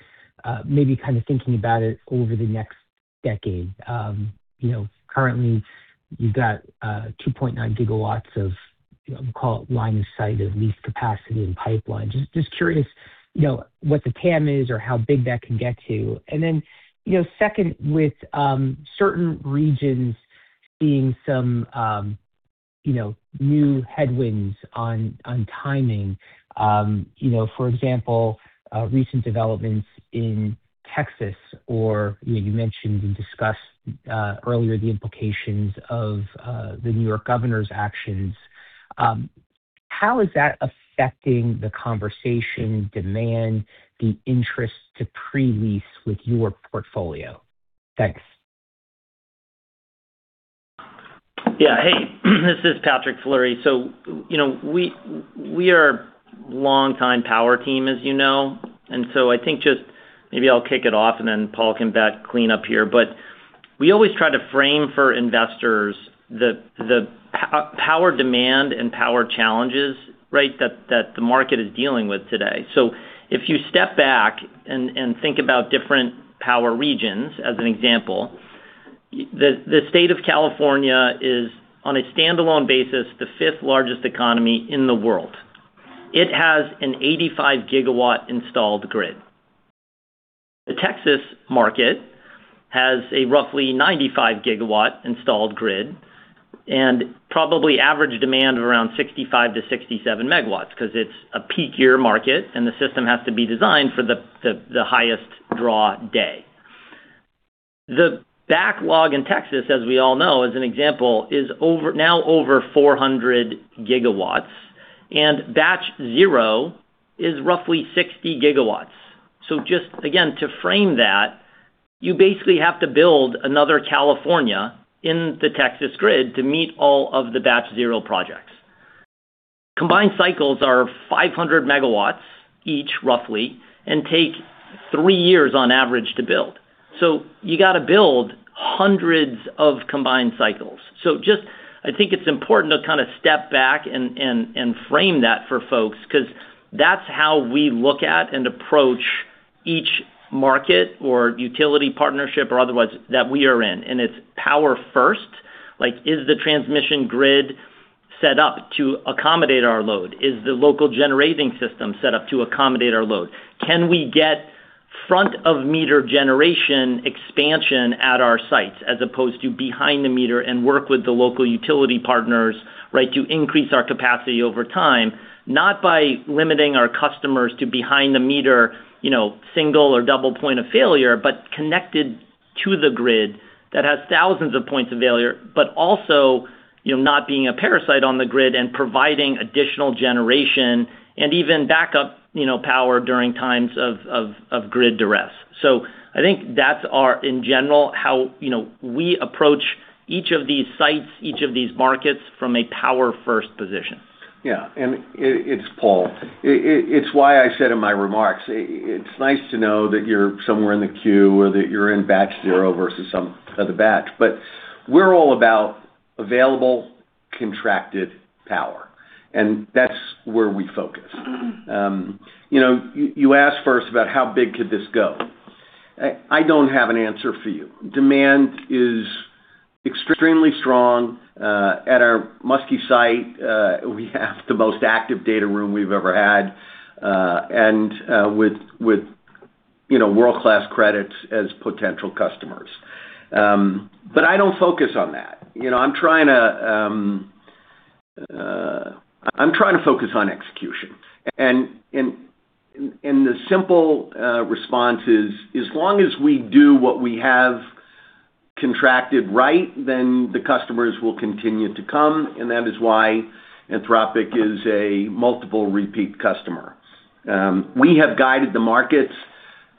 Maybe kind of thinking about it over the next decade. Currently you've got 2.9 GW of, we'll call it line of sight of lease capacity in pipeline. Just curious what the TAM is or how big that can get to. Second, with certain regions seeing some new headwinds on timing. For example, recent developments in Texas, or you mentioned and discussed earlier the implications of the New York Governor's actions. How is that affecting the conversation, demand, the interest to pre-lease with your portfolio? Thanks. Hey, this is Patrick Fleury. We are a longtime power team, as you know. I think just maybe I'll kick it off and then Paul can clean up here. We always try to frame for investors the power demand and power challenges, right? That the market is dealing with today. If you step back and think about different power regions, as an example, the state of California is, on a standalone basis, the fifth largest economy in the world. It has an 85 GW installed grid. The Texas market has a roughly 95 GW installed grid and probably average demand of around 65-67 MW, because it's a peak year market and the system has to be designed for the highest draw day. The backlog in Texas, as we all know, as an example, is now over 400 GW, and Batch Zero is roughly 60 GW. Just again, to frame that. You basically have to build another California in the Texas grid to meet all of the Batch Zero Projects. Combined cycles are 500 MW each, roughly, and take three years on average to build. You got to build hundreds of combined cycles. I think it's important to step back and frame that for folks, because that's how we look at and approach each market or utility partnership or otherwise that we are in, and it's power first. Is the transmission grid set up to accommodate our load? Is the local generating system set up to accommodate our load? Can we get front of meter generation expansion at our sites as opposed to behind the meter and work with the local utility partners to increase our capacity over time? Not by limiting our customers to behind the meter, single or double point of failure, but connected to the grid that has thousands of points of failure, but also not being a parasite on the grid and providing additional generation and even backup power during times of grid duress. I think that's our, in general, how we approach each of these sites, each of these markets from a power first position. It's Paul. It's why I said in my remarks, it's nice to know that you're somewhere in the queue or that you're in Batch Zero versus some other batch. We're all about available contracted power, and that's where we focus. You asked first about how big could this go. I don't have an answer for you. Demand is extremely strong. At our Muskie site, we have the most active data room we've ever had, and with world-class credits as potential customers. I don't focus on that. I'm trying to focus on execution, and the simple response is, as long as we do what we have contracted right, then the customers will continue to come, and that is why Anthropic is a multiple repeat customer. We have guided the markets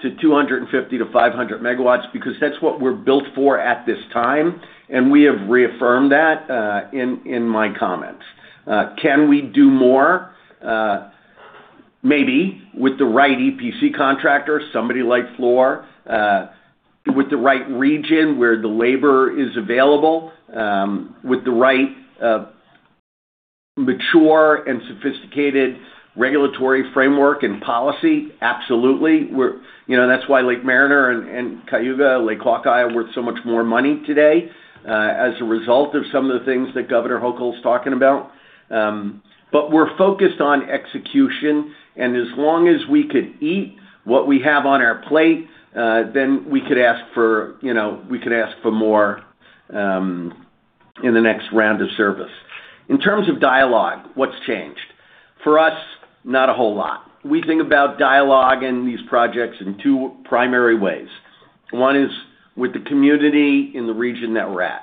to 250-500 MW because that's what we're built for at this time, and we have reaffirmed that in my comments. Can we do more? Maybe. With the right EPC contractor, somebody like Fluor, with the right region where the labor is available, with the right mature and sophisticated regulatory framework and policy, absolutely. That's why Lake Mariner and Cayuga Lake Hawkeye are worth so much more money today as a result of some of the things that Governor Hochul's talking about. We're focused on execution, and as long as we could eat what we have on our plate, then we could ask for more in the next round of service. In terms of dialogue, what's changed? For us, not a whole lot. We think about dialogue and these projects in two primary ways. One is with the community in the region that we're at.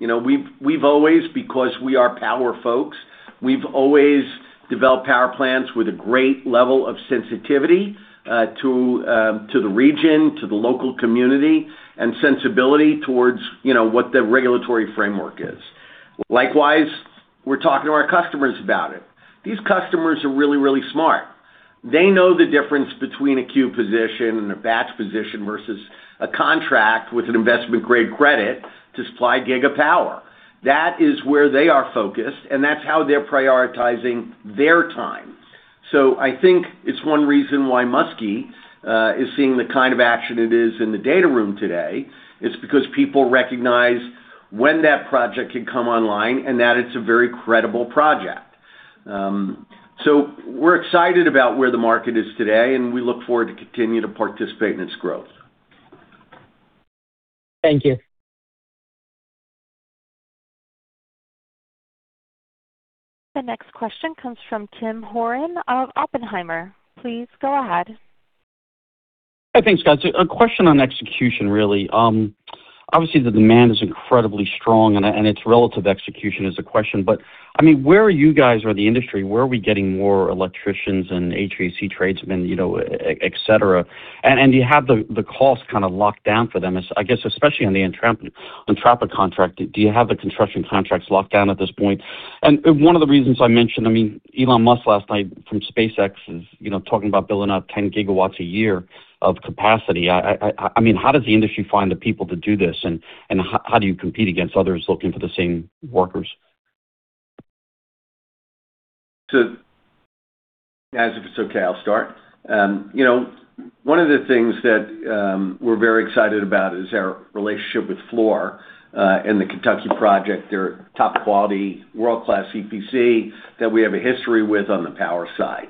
Because we are power folks, we've always developed power plants with a great level of sensitivity to the region, to the local community, and sensibility towards what the regulatory framework is. Likewise, we're talking to our customers about it. These customers are really, really smart. They know the difference between a queue position and a batch position versus a contract with an investment-grade credit to supply gig of power. That is where they are focused, and that's how they're prioritizing their time. I think it's one reason why Muskie is seeing the kind of action it is in the data room today, is because people recognize when that project could come online and that it's a very credible project. We're excited about where the market is today, and we look forward to continue to participate in its growth. Thank you. The next question comes from Tim Horan of Oppenheimer. Please go ahead. Thanks, guys. A question on execution, really. Obviously, the demand is incredibly strong, its relative execution is a question. Where are you guys or the industry, where are we getting more electricians and HVAC tradesmen, et cetera? Do you have the cost locked down for them? I guess, especially on the Anthropic contract, do you have the construction contracts locked down at this point? One of the reasons I mentioned, Elon Musk last night from SpaceX is talking about building up 10 GW a year of capacity. How does the industry find the people to do this, and how do you compete against others looking for the same workers? Nazar, if it's okay, I'll start. One of the things that we're very excited about is our relationship with Fluor in the Kentucky Project. They're top quality, world-class EPC that we have a history with on the power side.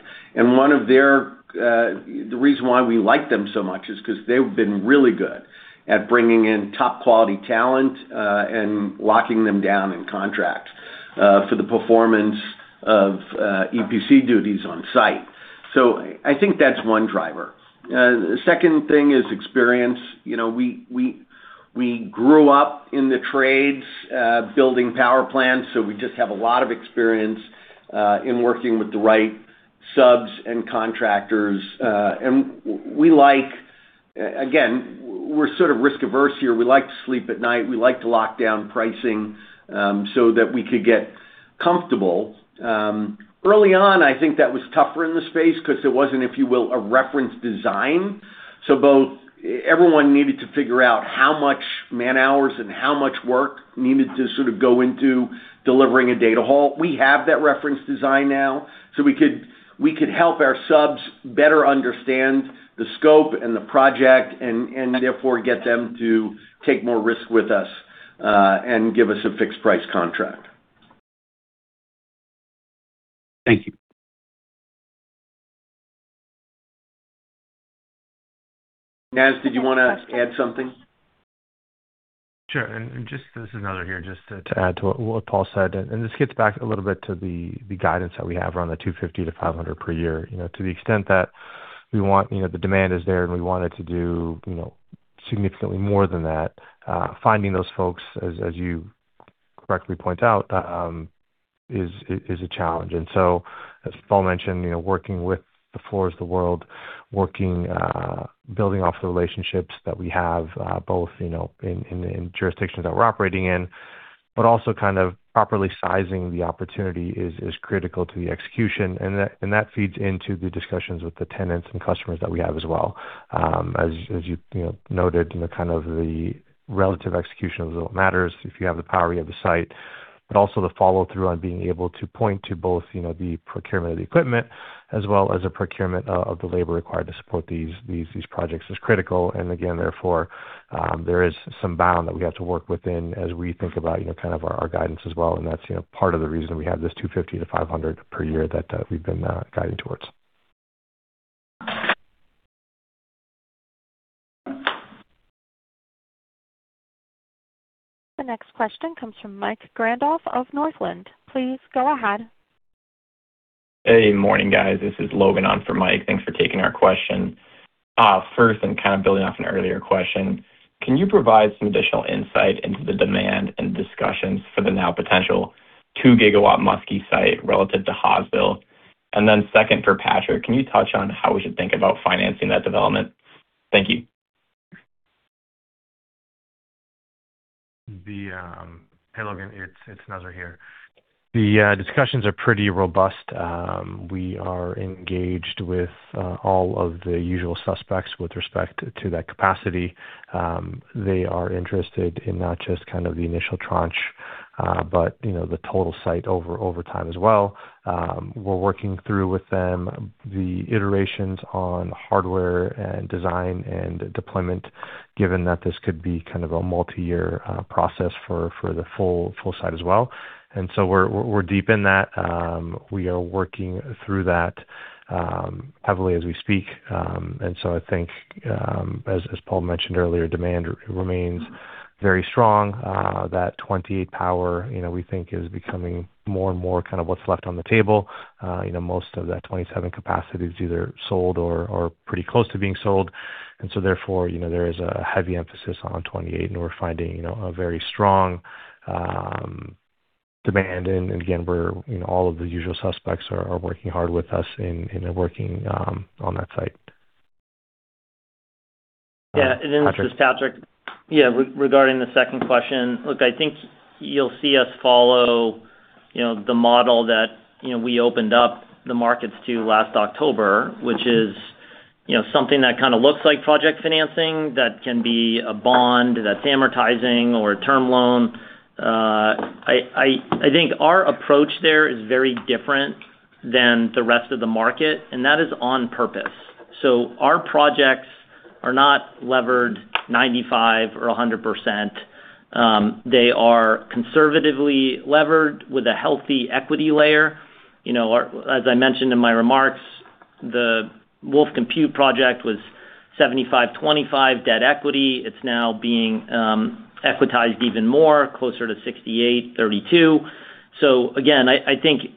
The reason why we like them so much is because they've been really good at bringing in top quality talent, and locking them down in contract, for the performance of EPC duties on site. I think that's one driver. The second thing is experience. We grew up in the trades building power plants, we just have a lot of experience in working with the right subs and contractors. Again, we're sort of risk-averse here. We like to sleep at night. We like to lock down pricing so that we could get comfortable. Early on, I think that was tougher in the space because there wasn't, if you will, a reference design. Everyone needed to figure out how much man-hours and how much work needed to go into delivering a data haul. We have that reference design now, we could help our subs better understand the scope and the project, and therefore get them to take more risk with us, and give us a fixed price contract. Thank you. Naz, did you want to add something? Sure. Just this is Nazar here, just to add to what Paul said, this gets back a little bit to the guidance that we have around the 250-500 MW per year. To the extent that the demand is there and we want it to do significantly more than that, finding those folks, as you correctly point out, is a challenge. As Paul mentioned, working with the Fluor of the world, building off the relationships that we have, both in jurisdictions that we're operating in, but also properly sizing the opportunity is critical to the execution. That feeds into the discussions with the tenants and customers that we have as well. As you noted in the kind of the relative execution of what matters, if you have the power, you have the site. Also the follow-through on being able to point to both the procurement of the equipment as well as the procurement of the labor required to support these projects is critical. Again, therefore, there is some bound that we have to work within as we think about our guidance as well. That's part of the reason we have this 250-500 MW per year that we've been guiding towards. The next question comes from Mike Grondahl of Northland. Please go ahead. Hey, morning, guys. This is Logan on for Mike. Thanks for taking our question. First, kind of building off an earlier question, can you provide some additional insight into the demand and discussions for the now potential 2 GW Muskie site relative to Hawesville? Then second, for Patrick, can you touch on how we should think about financing that development? Thank you. Hey, Logan, it's Nazar here. The discussions are pretty robust. We are engaged with all of the usual suspects with respect to that capacity. They are interested in not just kind of the initial tranche, but the total site over time as well. We're working through with them the iterations on hardware and design and deployment, given that this could be kind of a multi-year process for the full site as well. So we're deep in that. We are working through that heavily as we speak. So I think, as Paul mentioned earlier, demand remains very strong. That 2028 power, we think is becoming more and more kind of what's left on the table. Most of that 2027 capacity is either sold or pretty close to being sold. So therefore, there is a heavy emphasis on 2028, and we're finding a very strong demand. Again, all of the usual suspects are working hard with us, and they're working on that site. Yeah. Patrick. This is Patrick. Yeah, regarding the second question. Look, I think you'll see us follow the model that we opened up the markets to last October, which is something that kind of looks like project financing that can be a bond that's amortizing or a term loan. I think our approach there is very different than the rest of the market, and that is on purpose. Our projects are not levered 95% or 100%. They are conservatively levered with a healthy equity layer. As I mentioned in my remarks, the WULF Compute project was 75/25 debt equity. It's now being equitized even more, closer to 68/32. Again, I think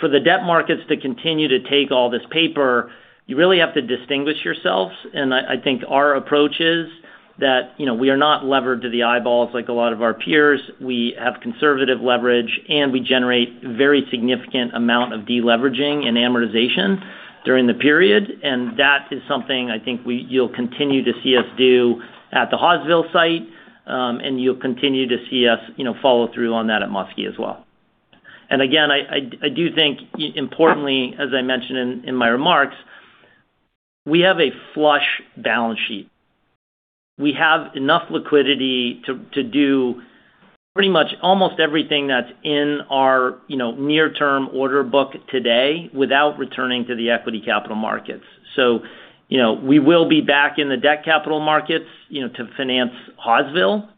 for the debt markets to continue to take all this paper, you really have to distinguish yourselves. I think our approach is that we are not levered to the eyeballs like a lot of our peers. We have conservative leverage, we generate very significant amount of deleveraging and amortization during the period. That is something I think you'll continue to see us do at the Hawesville site, and you'll continue to see us follow through on that at Muskie as well. Again, I do think, importantly, as I mentioned in my remarks, we have a flush balance sheet. We have enough liquidity to do pretty much almost everything that's in our near-term order book today without returning to the equity capital markets. We will be back in the debt capital markets to finance Hawesville.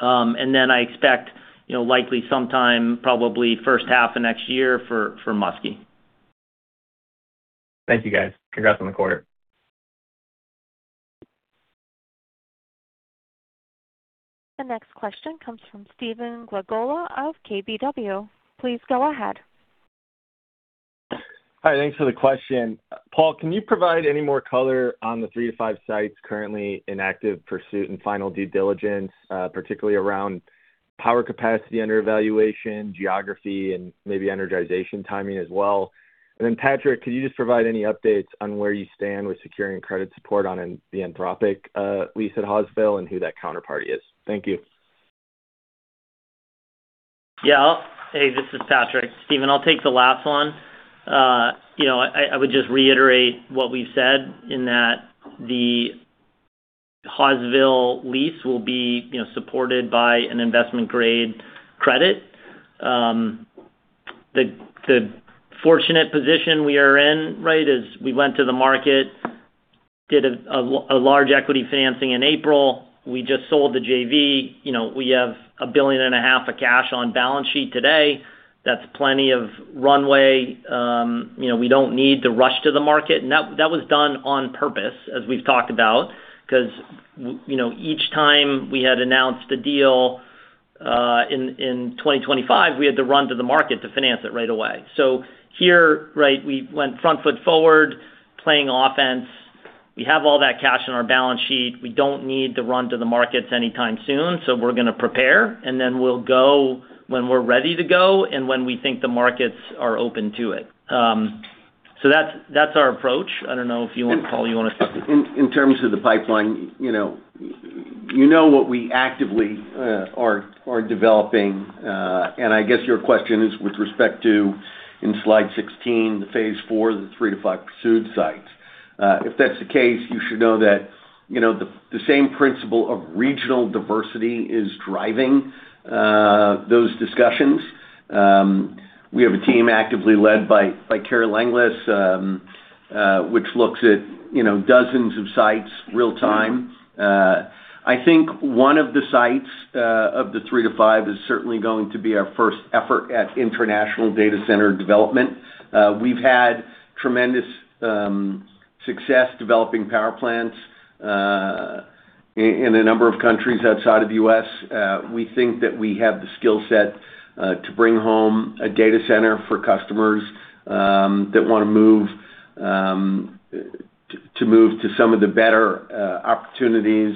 I expect, likely sometime, probably first half of next year for Muskie. Thank you, guys. Congrats on the quarter. The next question comes from Stephen Glagola of KBW. Please go ahead. Hi, thanks for the question. Paul, can you provide any more color on the three to five sites currently in active pursuit and final due diligence, particularly around power capacity under evaluation, geography, and maybe energization timing as well? Patrick, could you just provide any updates on where you stand with securing credit support on the Anthropic lease at Hawesville and who that counterparty is? Thank you. Yeah. Hey, this is Patrick. Stephen, I'll take the last one. I would just reiterate what we've said in that the Hawesville lease will be supported by an investment-grade credit. The fortunate position we are in, right, is we went to the market, did a large equity financing in April. We just sold the JV. We have a billion and a half of cash on balance sheet today. That's plenty of runway. We don't need to rush to the market. That was done on purpose, as we've talked about, because each time we had announced a deal in 2025, we had to run to the market to finance it right away. Here, right, we went front foot forward, playing offense. We have all that cash on our balance sheet. We don't need to run to the markets anytime soon, we're going to prepare, we'll go when we're ready to go and when we think the markets are open to it. That's our approach. I don't know if you want, Paul, you want to say. In terms of the pipeline, you know what we actively are developing. I guess your question is with respect to, in slide 16, the phase four, the three to five pursued sites. If that's the case, you should know that the same principle of regional diversity is driving those discussions. We have a team actively led by Kerri Langlais, which looks at dozens of sites real time. I think one of the sites of the three to five is certainly going to be our first effort at international data center development. We've had tremendous success developing power plants in a number of countries outside of the U.S. We think that we have the skill set to bring home a data center for customers that want to move to some of the better opportunities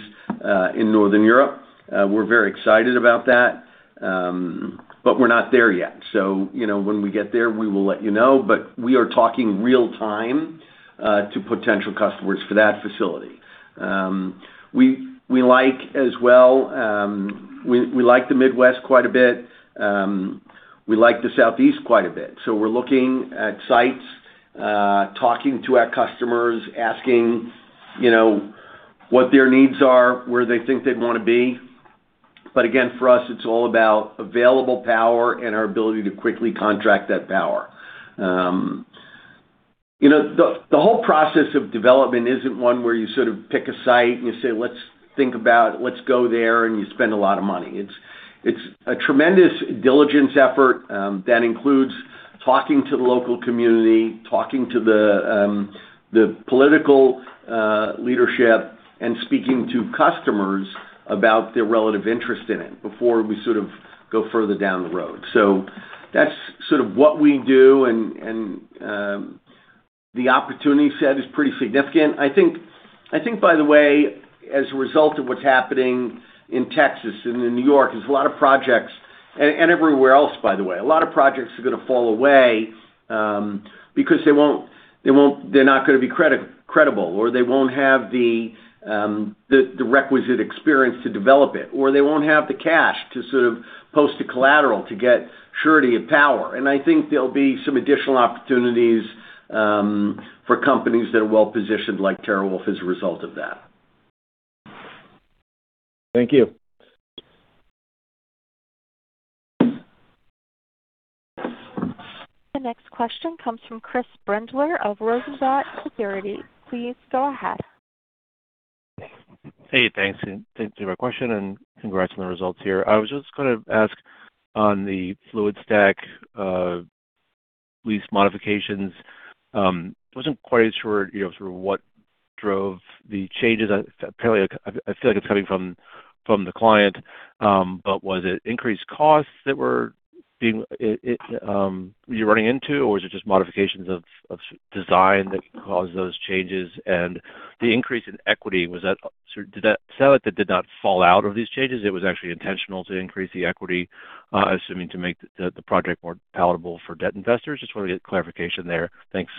in Northern Europe. We're very excited about that. We're not there yet. When we get there, we will let you know. We are talking real time to potential customers for that facility. We like the Midwest quite a bit. We like the Southeast quite a bit. We're looking at sites, talking to our customers, asking what their needs are, where they think they'd want to be. Again, for us, it's all about available power and our ability to quickly contract that power. The whole process of development isn't one where you sort of pick a site, and you say, "Let's think about, let's go there," and you spend a lot of money. It's a tremendous diligence effort that includes talking to the local community, talking to the political leadership, and speaking to customers about their relative interest in it before we sort of go further down the road. That's sort of what we do, and the opportunity set is pretty significant. I think, by the way, as a result of what's happening in Texas and in New York, there's a lot of projects, and everywhere else, by the way. A lot of projects are going to fall away because they're not going to be credible, or they won't have the requisite experience to develop it. Or they won't have the cash to sort of post a collateral to get surety of power. I think there'll be some additional opportunities for companies that are well-positioned, like TeraWulf, as a result of that. Thank you. The next question comes from Chris Brendler of Rosenblatt Securities. Please go ahead. Hey, thanks. Thanks for my question, congrats on the results here. I was just going to ask on the Fluidstack lease modifications. Wasn't quite as sure through what drove the changes. Apparently, I feel like it's coming from the client. Was it increased costs that you're running into, or was it just modifications of design that caused those changes? The increase in equity, did that sell it that did not fall out of these changes? It was actually intentional to increase the equity, assuming to make the project more palatable for debt investors? Just want to get clarification there. Thanks.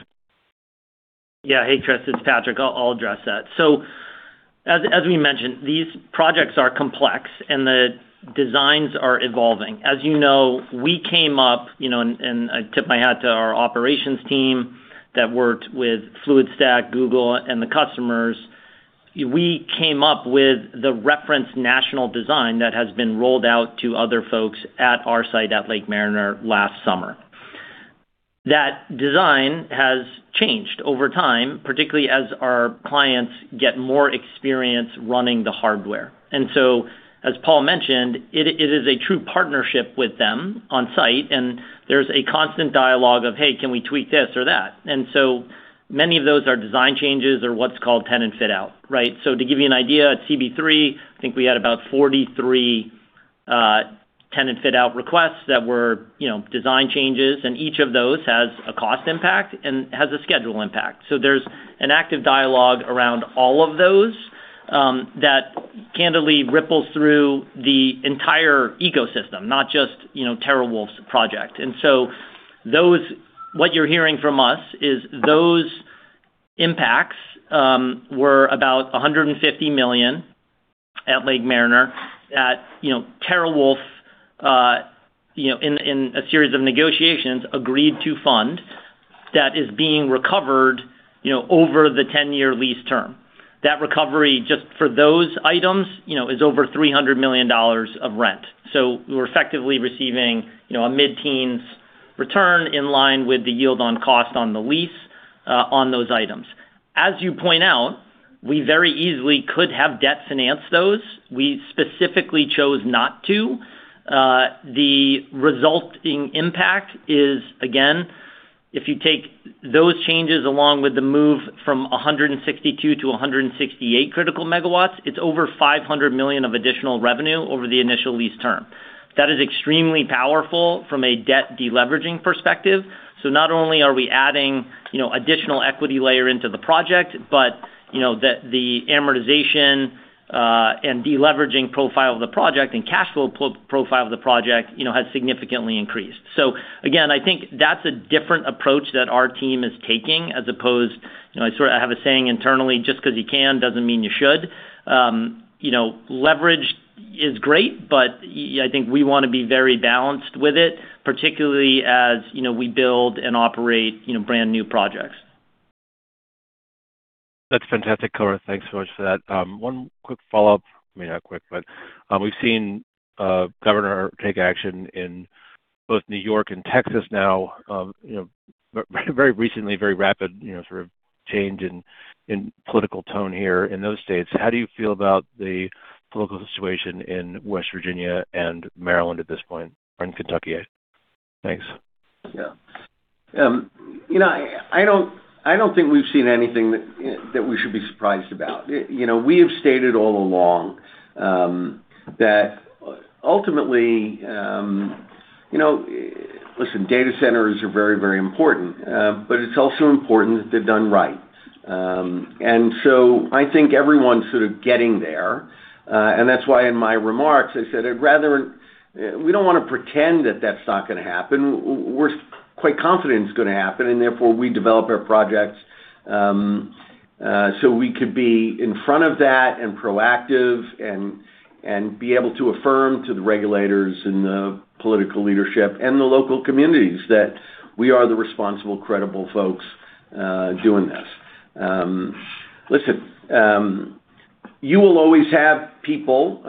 Yeah. Hey, Chris, it's Patrick. I'll address that. As we mentioned, these projects are complex, and the designs are evolving. As you know, we came up, and I tip my hat to our operations team that worked with Fluidstack, Google, and the customers. We came up with the reference national design that has been rolled out to other folks at our site at Lake Mariner last summer. That design has changed over time, particularly as our clients get more experience running the hardware. As Paul mentioned, it is a true partnership with them on site, and there's a constant dialogue of, hey, can we tweak this or that? Many of those are design changes or what's called tenant fit out, right? To give you an idea, at CB-3, I think we had about 43 tenant fit-out requests that were design changes, and each of those has a cost impact and has a schedule impact. There's an active dialogue around all of those that candidly ripples through the entire ecosystem, not just TeraWulf's project. What you're hearing from us is those impacts were about $150 million at Lake Mariner that TeraWulf, in a series of negotiations, agreed to fund, that is being recovered over the 10-year lease term. That recovery, just for those items, is over $300 million of rent. We're effectively receiving a mid-teens return in line with the yield on cost on the lease on those items. As you point out, we very easily could have debt financed those. We specifically chose not to. The resulting impact is, again, if you take those changes along with the move from 162 to 168 critical megawatts, it's over $500 million of additional revenue over the initial lease term. That is extremely powerful from a debt de-leveraging perspective. Not only are we adding additional equity layer into the project, but the amortization and de-leveraging profile of the project and cash flow profile of the project has significantly increased. Again, I think that's a different approach that our team is taking as opposed I have a saying internally, just because you can, doesn't mean you should. Leverage is great, but I think we want to be very balanced with it, particularly as we build and operate brand-new projects. That's fantastic color. Thanks so much for that. One quick follow-up. Maybe not quick. We've seen a governor take action in both New York and Texas now. Very recently, very rapid sort of change in political tone here in those states. How do you feel about the political situation in West Virginia and Maryland at this point, and Kentucky? Thanks. Yeah. I don't think we've seen anything that we should be surprised about. We have stated all along that ultimately, listen, data centers are very important. It's also important that they're done right. I think everyone's sort of getting there, and that's why in my remarks, I said we don't want to pretend that that's not going to happen. We're quite confident it's going to happen, and therefore, we develop our projects so we could be in front of that and proactive, and be able to affirm to the regulators and the political leadership, and the local communities that we are the responsible, credible folks doing this. Listen. You will always have people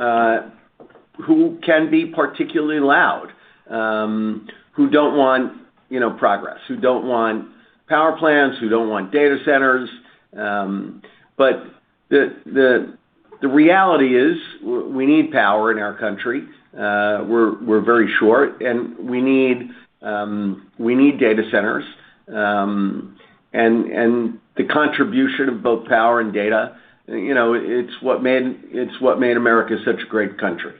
who can be particularly loud, who don't want progress, who don't want power plants, who don't want data centers. The reality is, we need power in our country. We're very short, and we need data centers. The contribution of both power and data, it's what made America such a great country.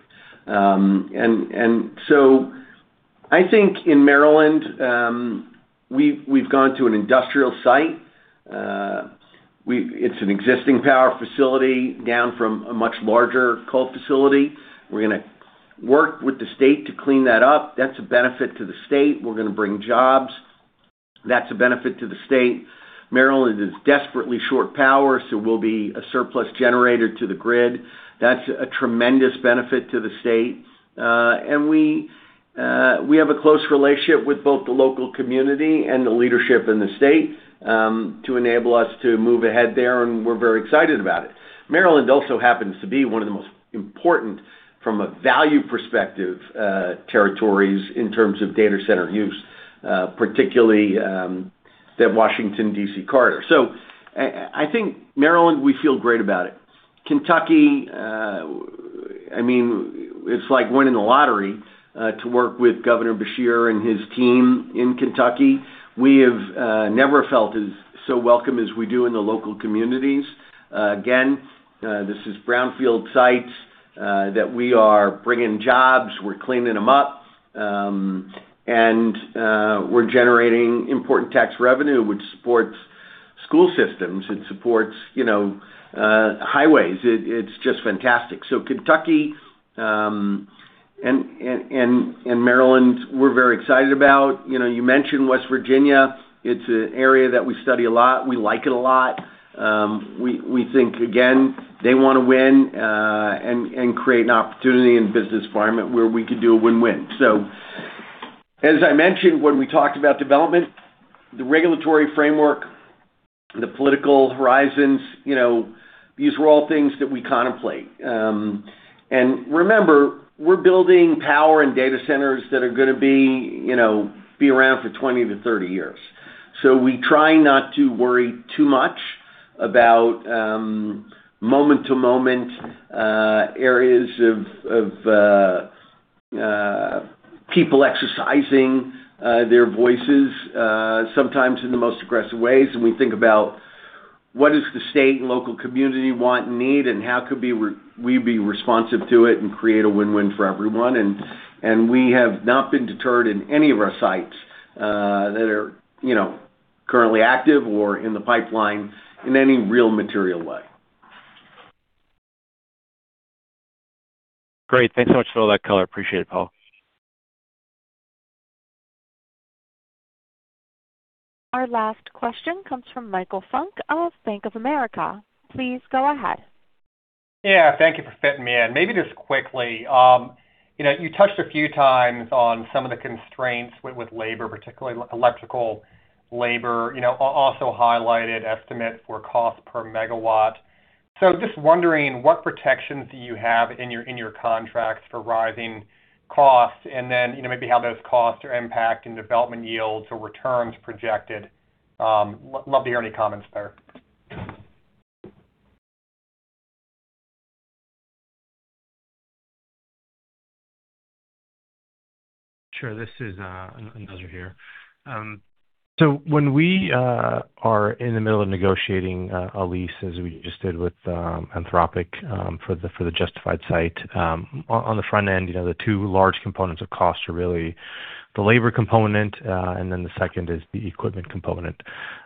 I think in Maryland, we've gone to an industrial site. It's an existing power facility down from a much larger coal facility. We're going to work with the state to clean that up. That's a benefit to the state. We're going to bring jobs. That's a benefit to the state. Maryland is desperately short of power, so we'll be a surplus generator to the grid. That's a tremendous benefit to the state. We have a close relationship with both the local community and the leadership in the state to enable us to move ahead there, and we're very excited about it. Maryland also happens to be one of the most important, from a value perspective, territories in terms of data center use, particularly that Washington, D.C. corridor. I think Maryland, we feel great about it. Kentucky, it's like winning the lottery to work with Governor Beshear and his team in Kentucky. We have never felt so welcome as we do in the local communities. Again, this is brownfield sites that we are bringing jobs, we're cleaning them up. We're generating important tax revenue, which supports school systems, it supports highways. It's just fantastic. Kentucky and Maryland, we're very excited about. You mentioned West Virginia. It's an area that we study a lot. We like it a lot. We think, again, they want to win and create an opportunity and business environment where we could do a win-win. As I mentioned when we talked about development, the regulatory framework, the political horizons, these are all things that we contemplate. Remember, we're building power and data centers that are going to be around for 20 to 30 years. We try not to worry too much about moment-to-moment areas of people exercising their voices, sometimes in the most aggressive ways. We think about what does the state and local community want and need, and how could we be responsive to it and create a win-win for everyone? We have not been deterred in any of our sites that are currently active or in the pipeline in any real material way. Great. Thanks so much for all that color. Appreciate it, Paul. Our last question comes from Michael Funk of Bank of America. Please go ahead. Yeah. Thank you for fitting me in. Maybe just quickly, you touched a few times on some of the constraints with labor, particularly electrical labor. Also highlighted estimate for cost per megawatt. Just wondering what protections do you have in your contracts for rising costs? Maybe how those costs are impacting development yields or returns projected. Love to hear any comments there. Sure. This is Nazar here. When we are in the middle of negotiating a lease, as we just did with Anthropic for the Justified site. On the front end, the two large components of cost are really the labor component, and the second is the equipment component.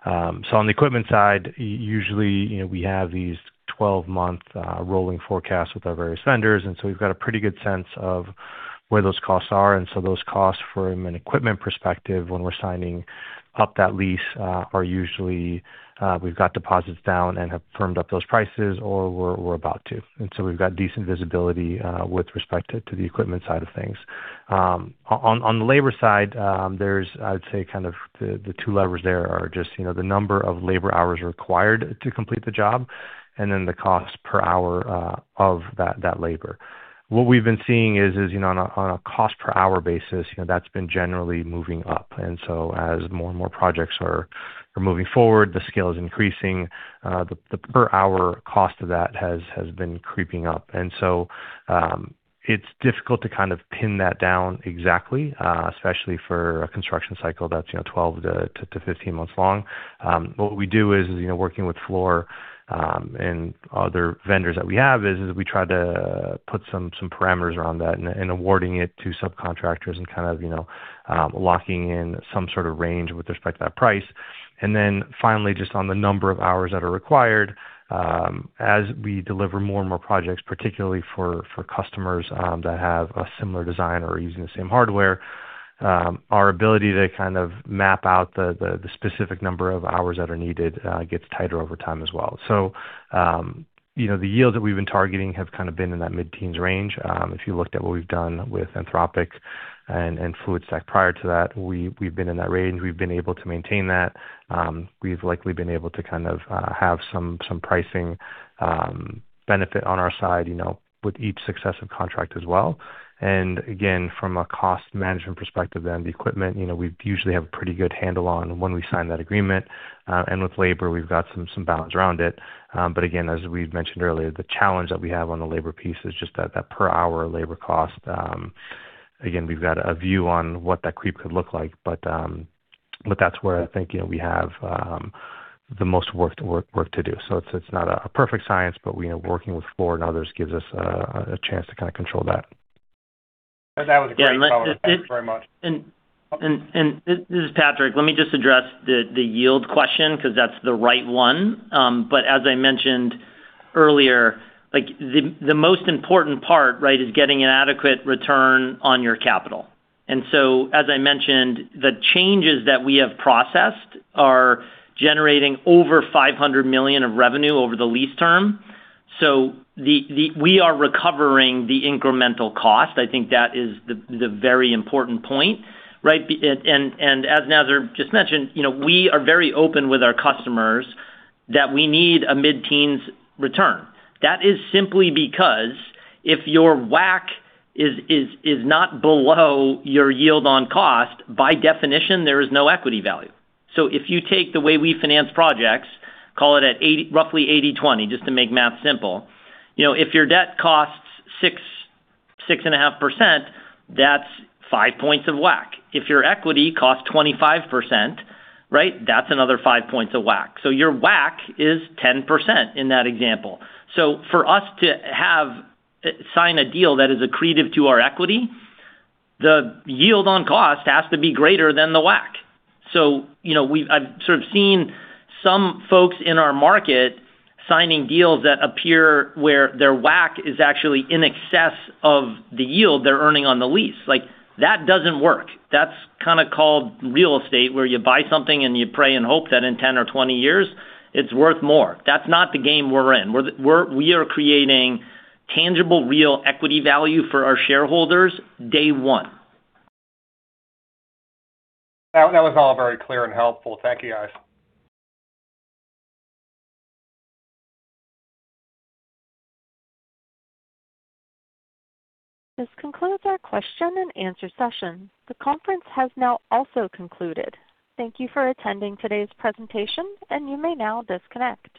On the equipment side, usually, we have these 12-month rolling forecasts with our various vendors, and we've got a pretty good sense of where those costs are. Those costs from an equipment perspective, when we're signing up that lease, are usually, we've got deposits down and have firmed up those prices, or we're about to. We've got decent visibility with respect to the equipment side of things. On the labor side, there's, I would say, kind of the two levers there are just the number of labor hours required to complete the job and the cost per hour of that labor. What we've been seeing is on a cost per hour basis, that's been generally moving up. As more and more projects are moving forward, the scale is increasing. The per hour cost of that has been creeping up. It's difficult to kind of pin that down exactly, especially for a construction cycle that's 12 to 15 months long. What we do is, working with Fluor and other vendors that we have, is we try to put some parameters around that and awarding it to subcontractors and kind of locking in some sort of range with respect to that price. Finally, just on the number of hours that are required, as we deliver more and more projects, particularly for customers that have a similar design or are using the same hardware, our ability to kind of map out the specific number of hours that are needed gets tighter over time as well. The yield that we've been targeting have kind of been in that mid-teens range. If you looked at what we've done with Anthropic and Fluidstack prior to that, we've been in that range. We've been able to maintain that. We've likely been able to kind of have some pricing benefit on our side with each successive contract as well. Again, from a cost management perspective, the equipment, we usually have a pretty good handle on when we sign that agreement. With labor, we've got some balance around it. Again, as we've mentioned earlier, the challenge that we have on the labor piece is just that per hour labor cost. Again, we've got a view on what that creep could look like, but that's where I think we have the most work to do. It's not a perfect science, working with Fluor and others gives us a chance to kind of control that. That was a great color. Thank you very much. This is Patrick. Let me just address the yield question because that's the right one. As I mentioned earlier, the most important part, is getting an adequate return on your capital. As I mentioned, the changes that we have processed are generating over $500 million of revenue over the lease term, so we are recovering the incremental cost. I think that is the very important point, right? As Nazar just mentioned, we are very open with our customers that we need a mid-teens return. That is simply because if your WAC is not below your yield on cost, by definition, there is no equity value. If you take the way we finance projects, call it at roughly 80/20, just to make math simple. If your debt costs 6%, 6.5%, that's five points of WAC. If your equity costs 25%, that's another five points of WAC. Your WAC is 10% in that example. For us to sign a deal that is accretive to our equity, the yield on cost has to be greater than the WAC. I've sort of seen some folks in our market signing deals that appear where their WAC is actually in excess of the yield they're earning on the lease. Like that doesn't work. That's kind of called real estate, where you buy something and you pray and hope that in 10 or 20 years it's worth more. That's not the game we're in. We are creating tangible, real equity value for our shareholders day one. That was all very clear and helpful. Thank you, guys. This concludes our question and answer session. The conference has now also concluded. Thank you for attending today's presentation, and you may now disconnect.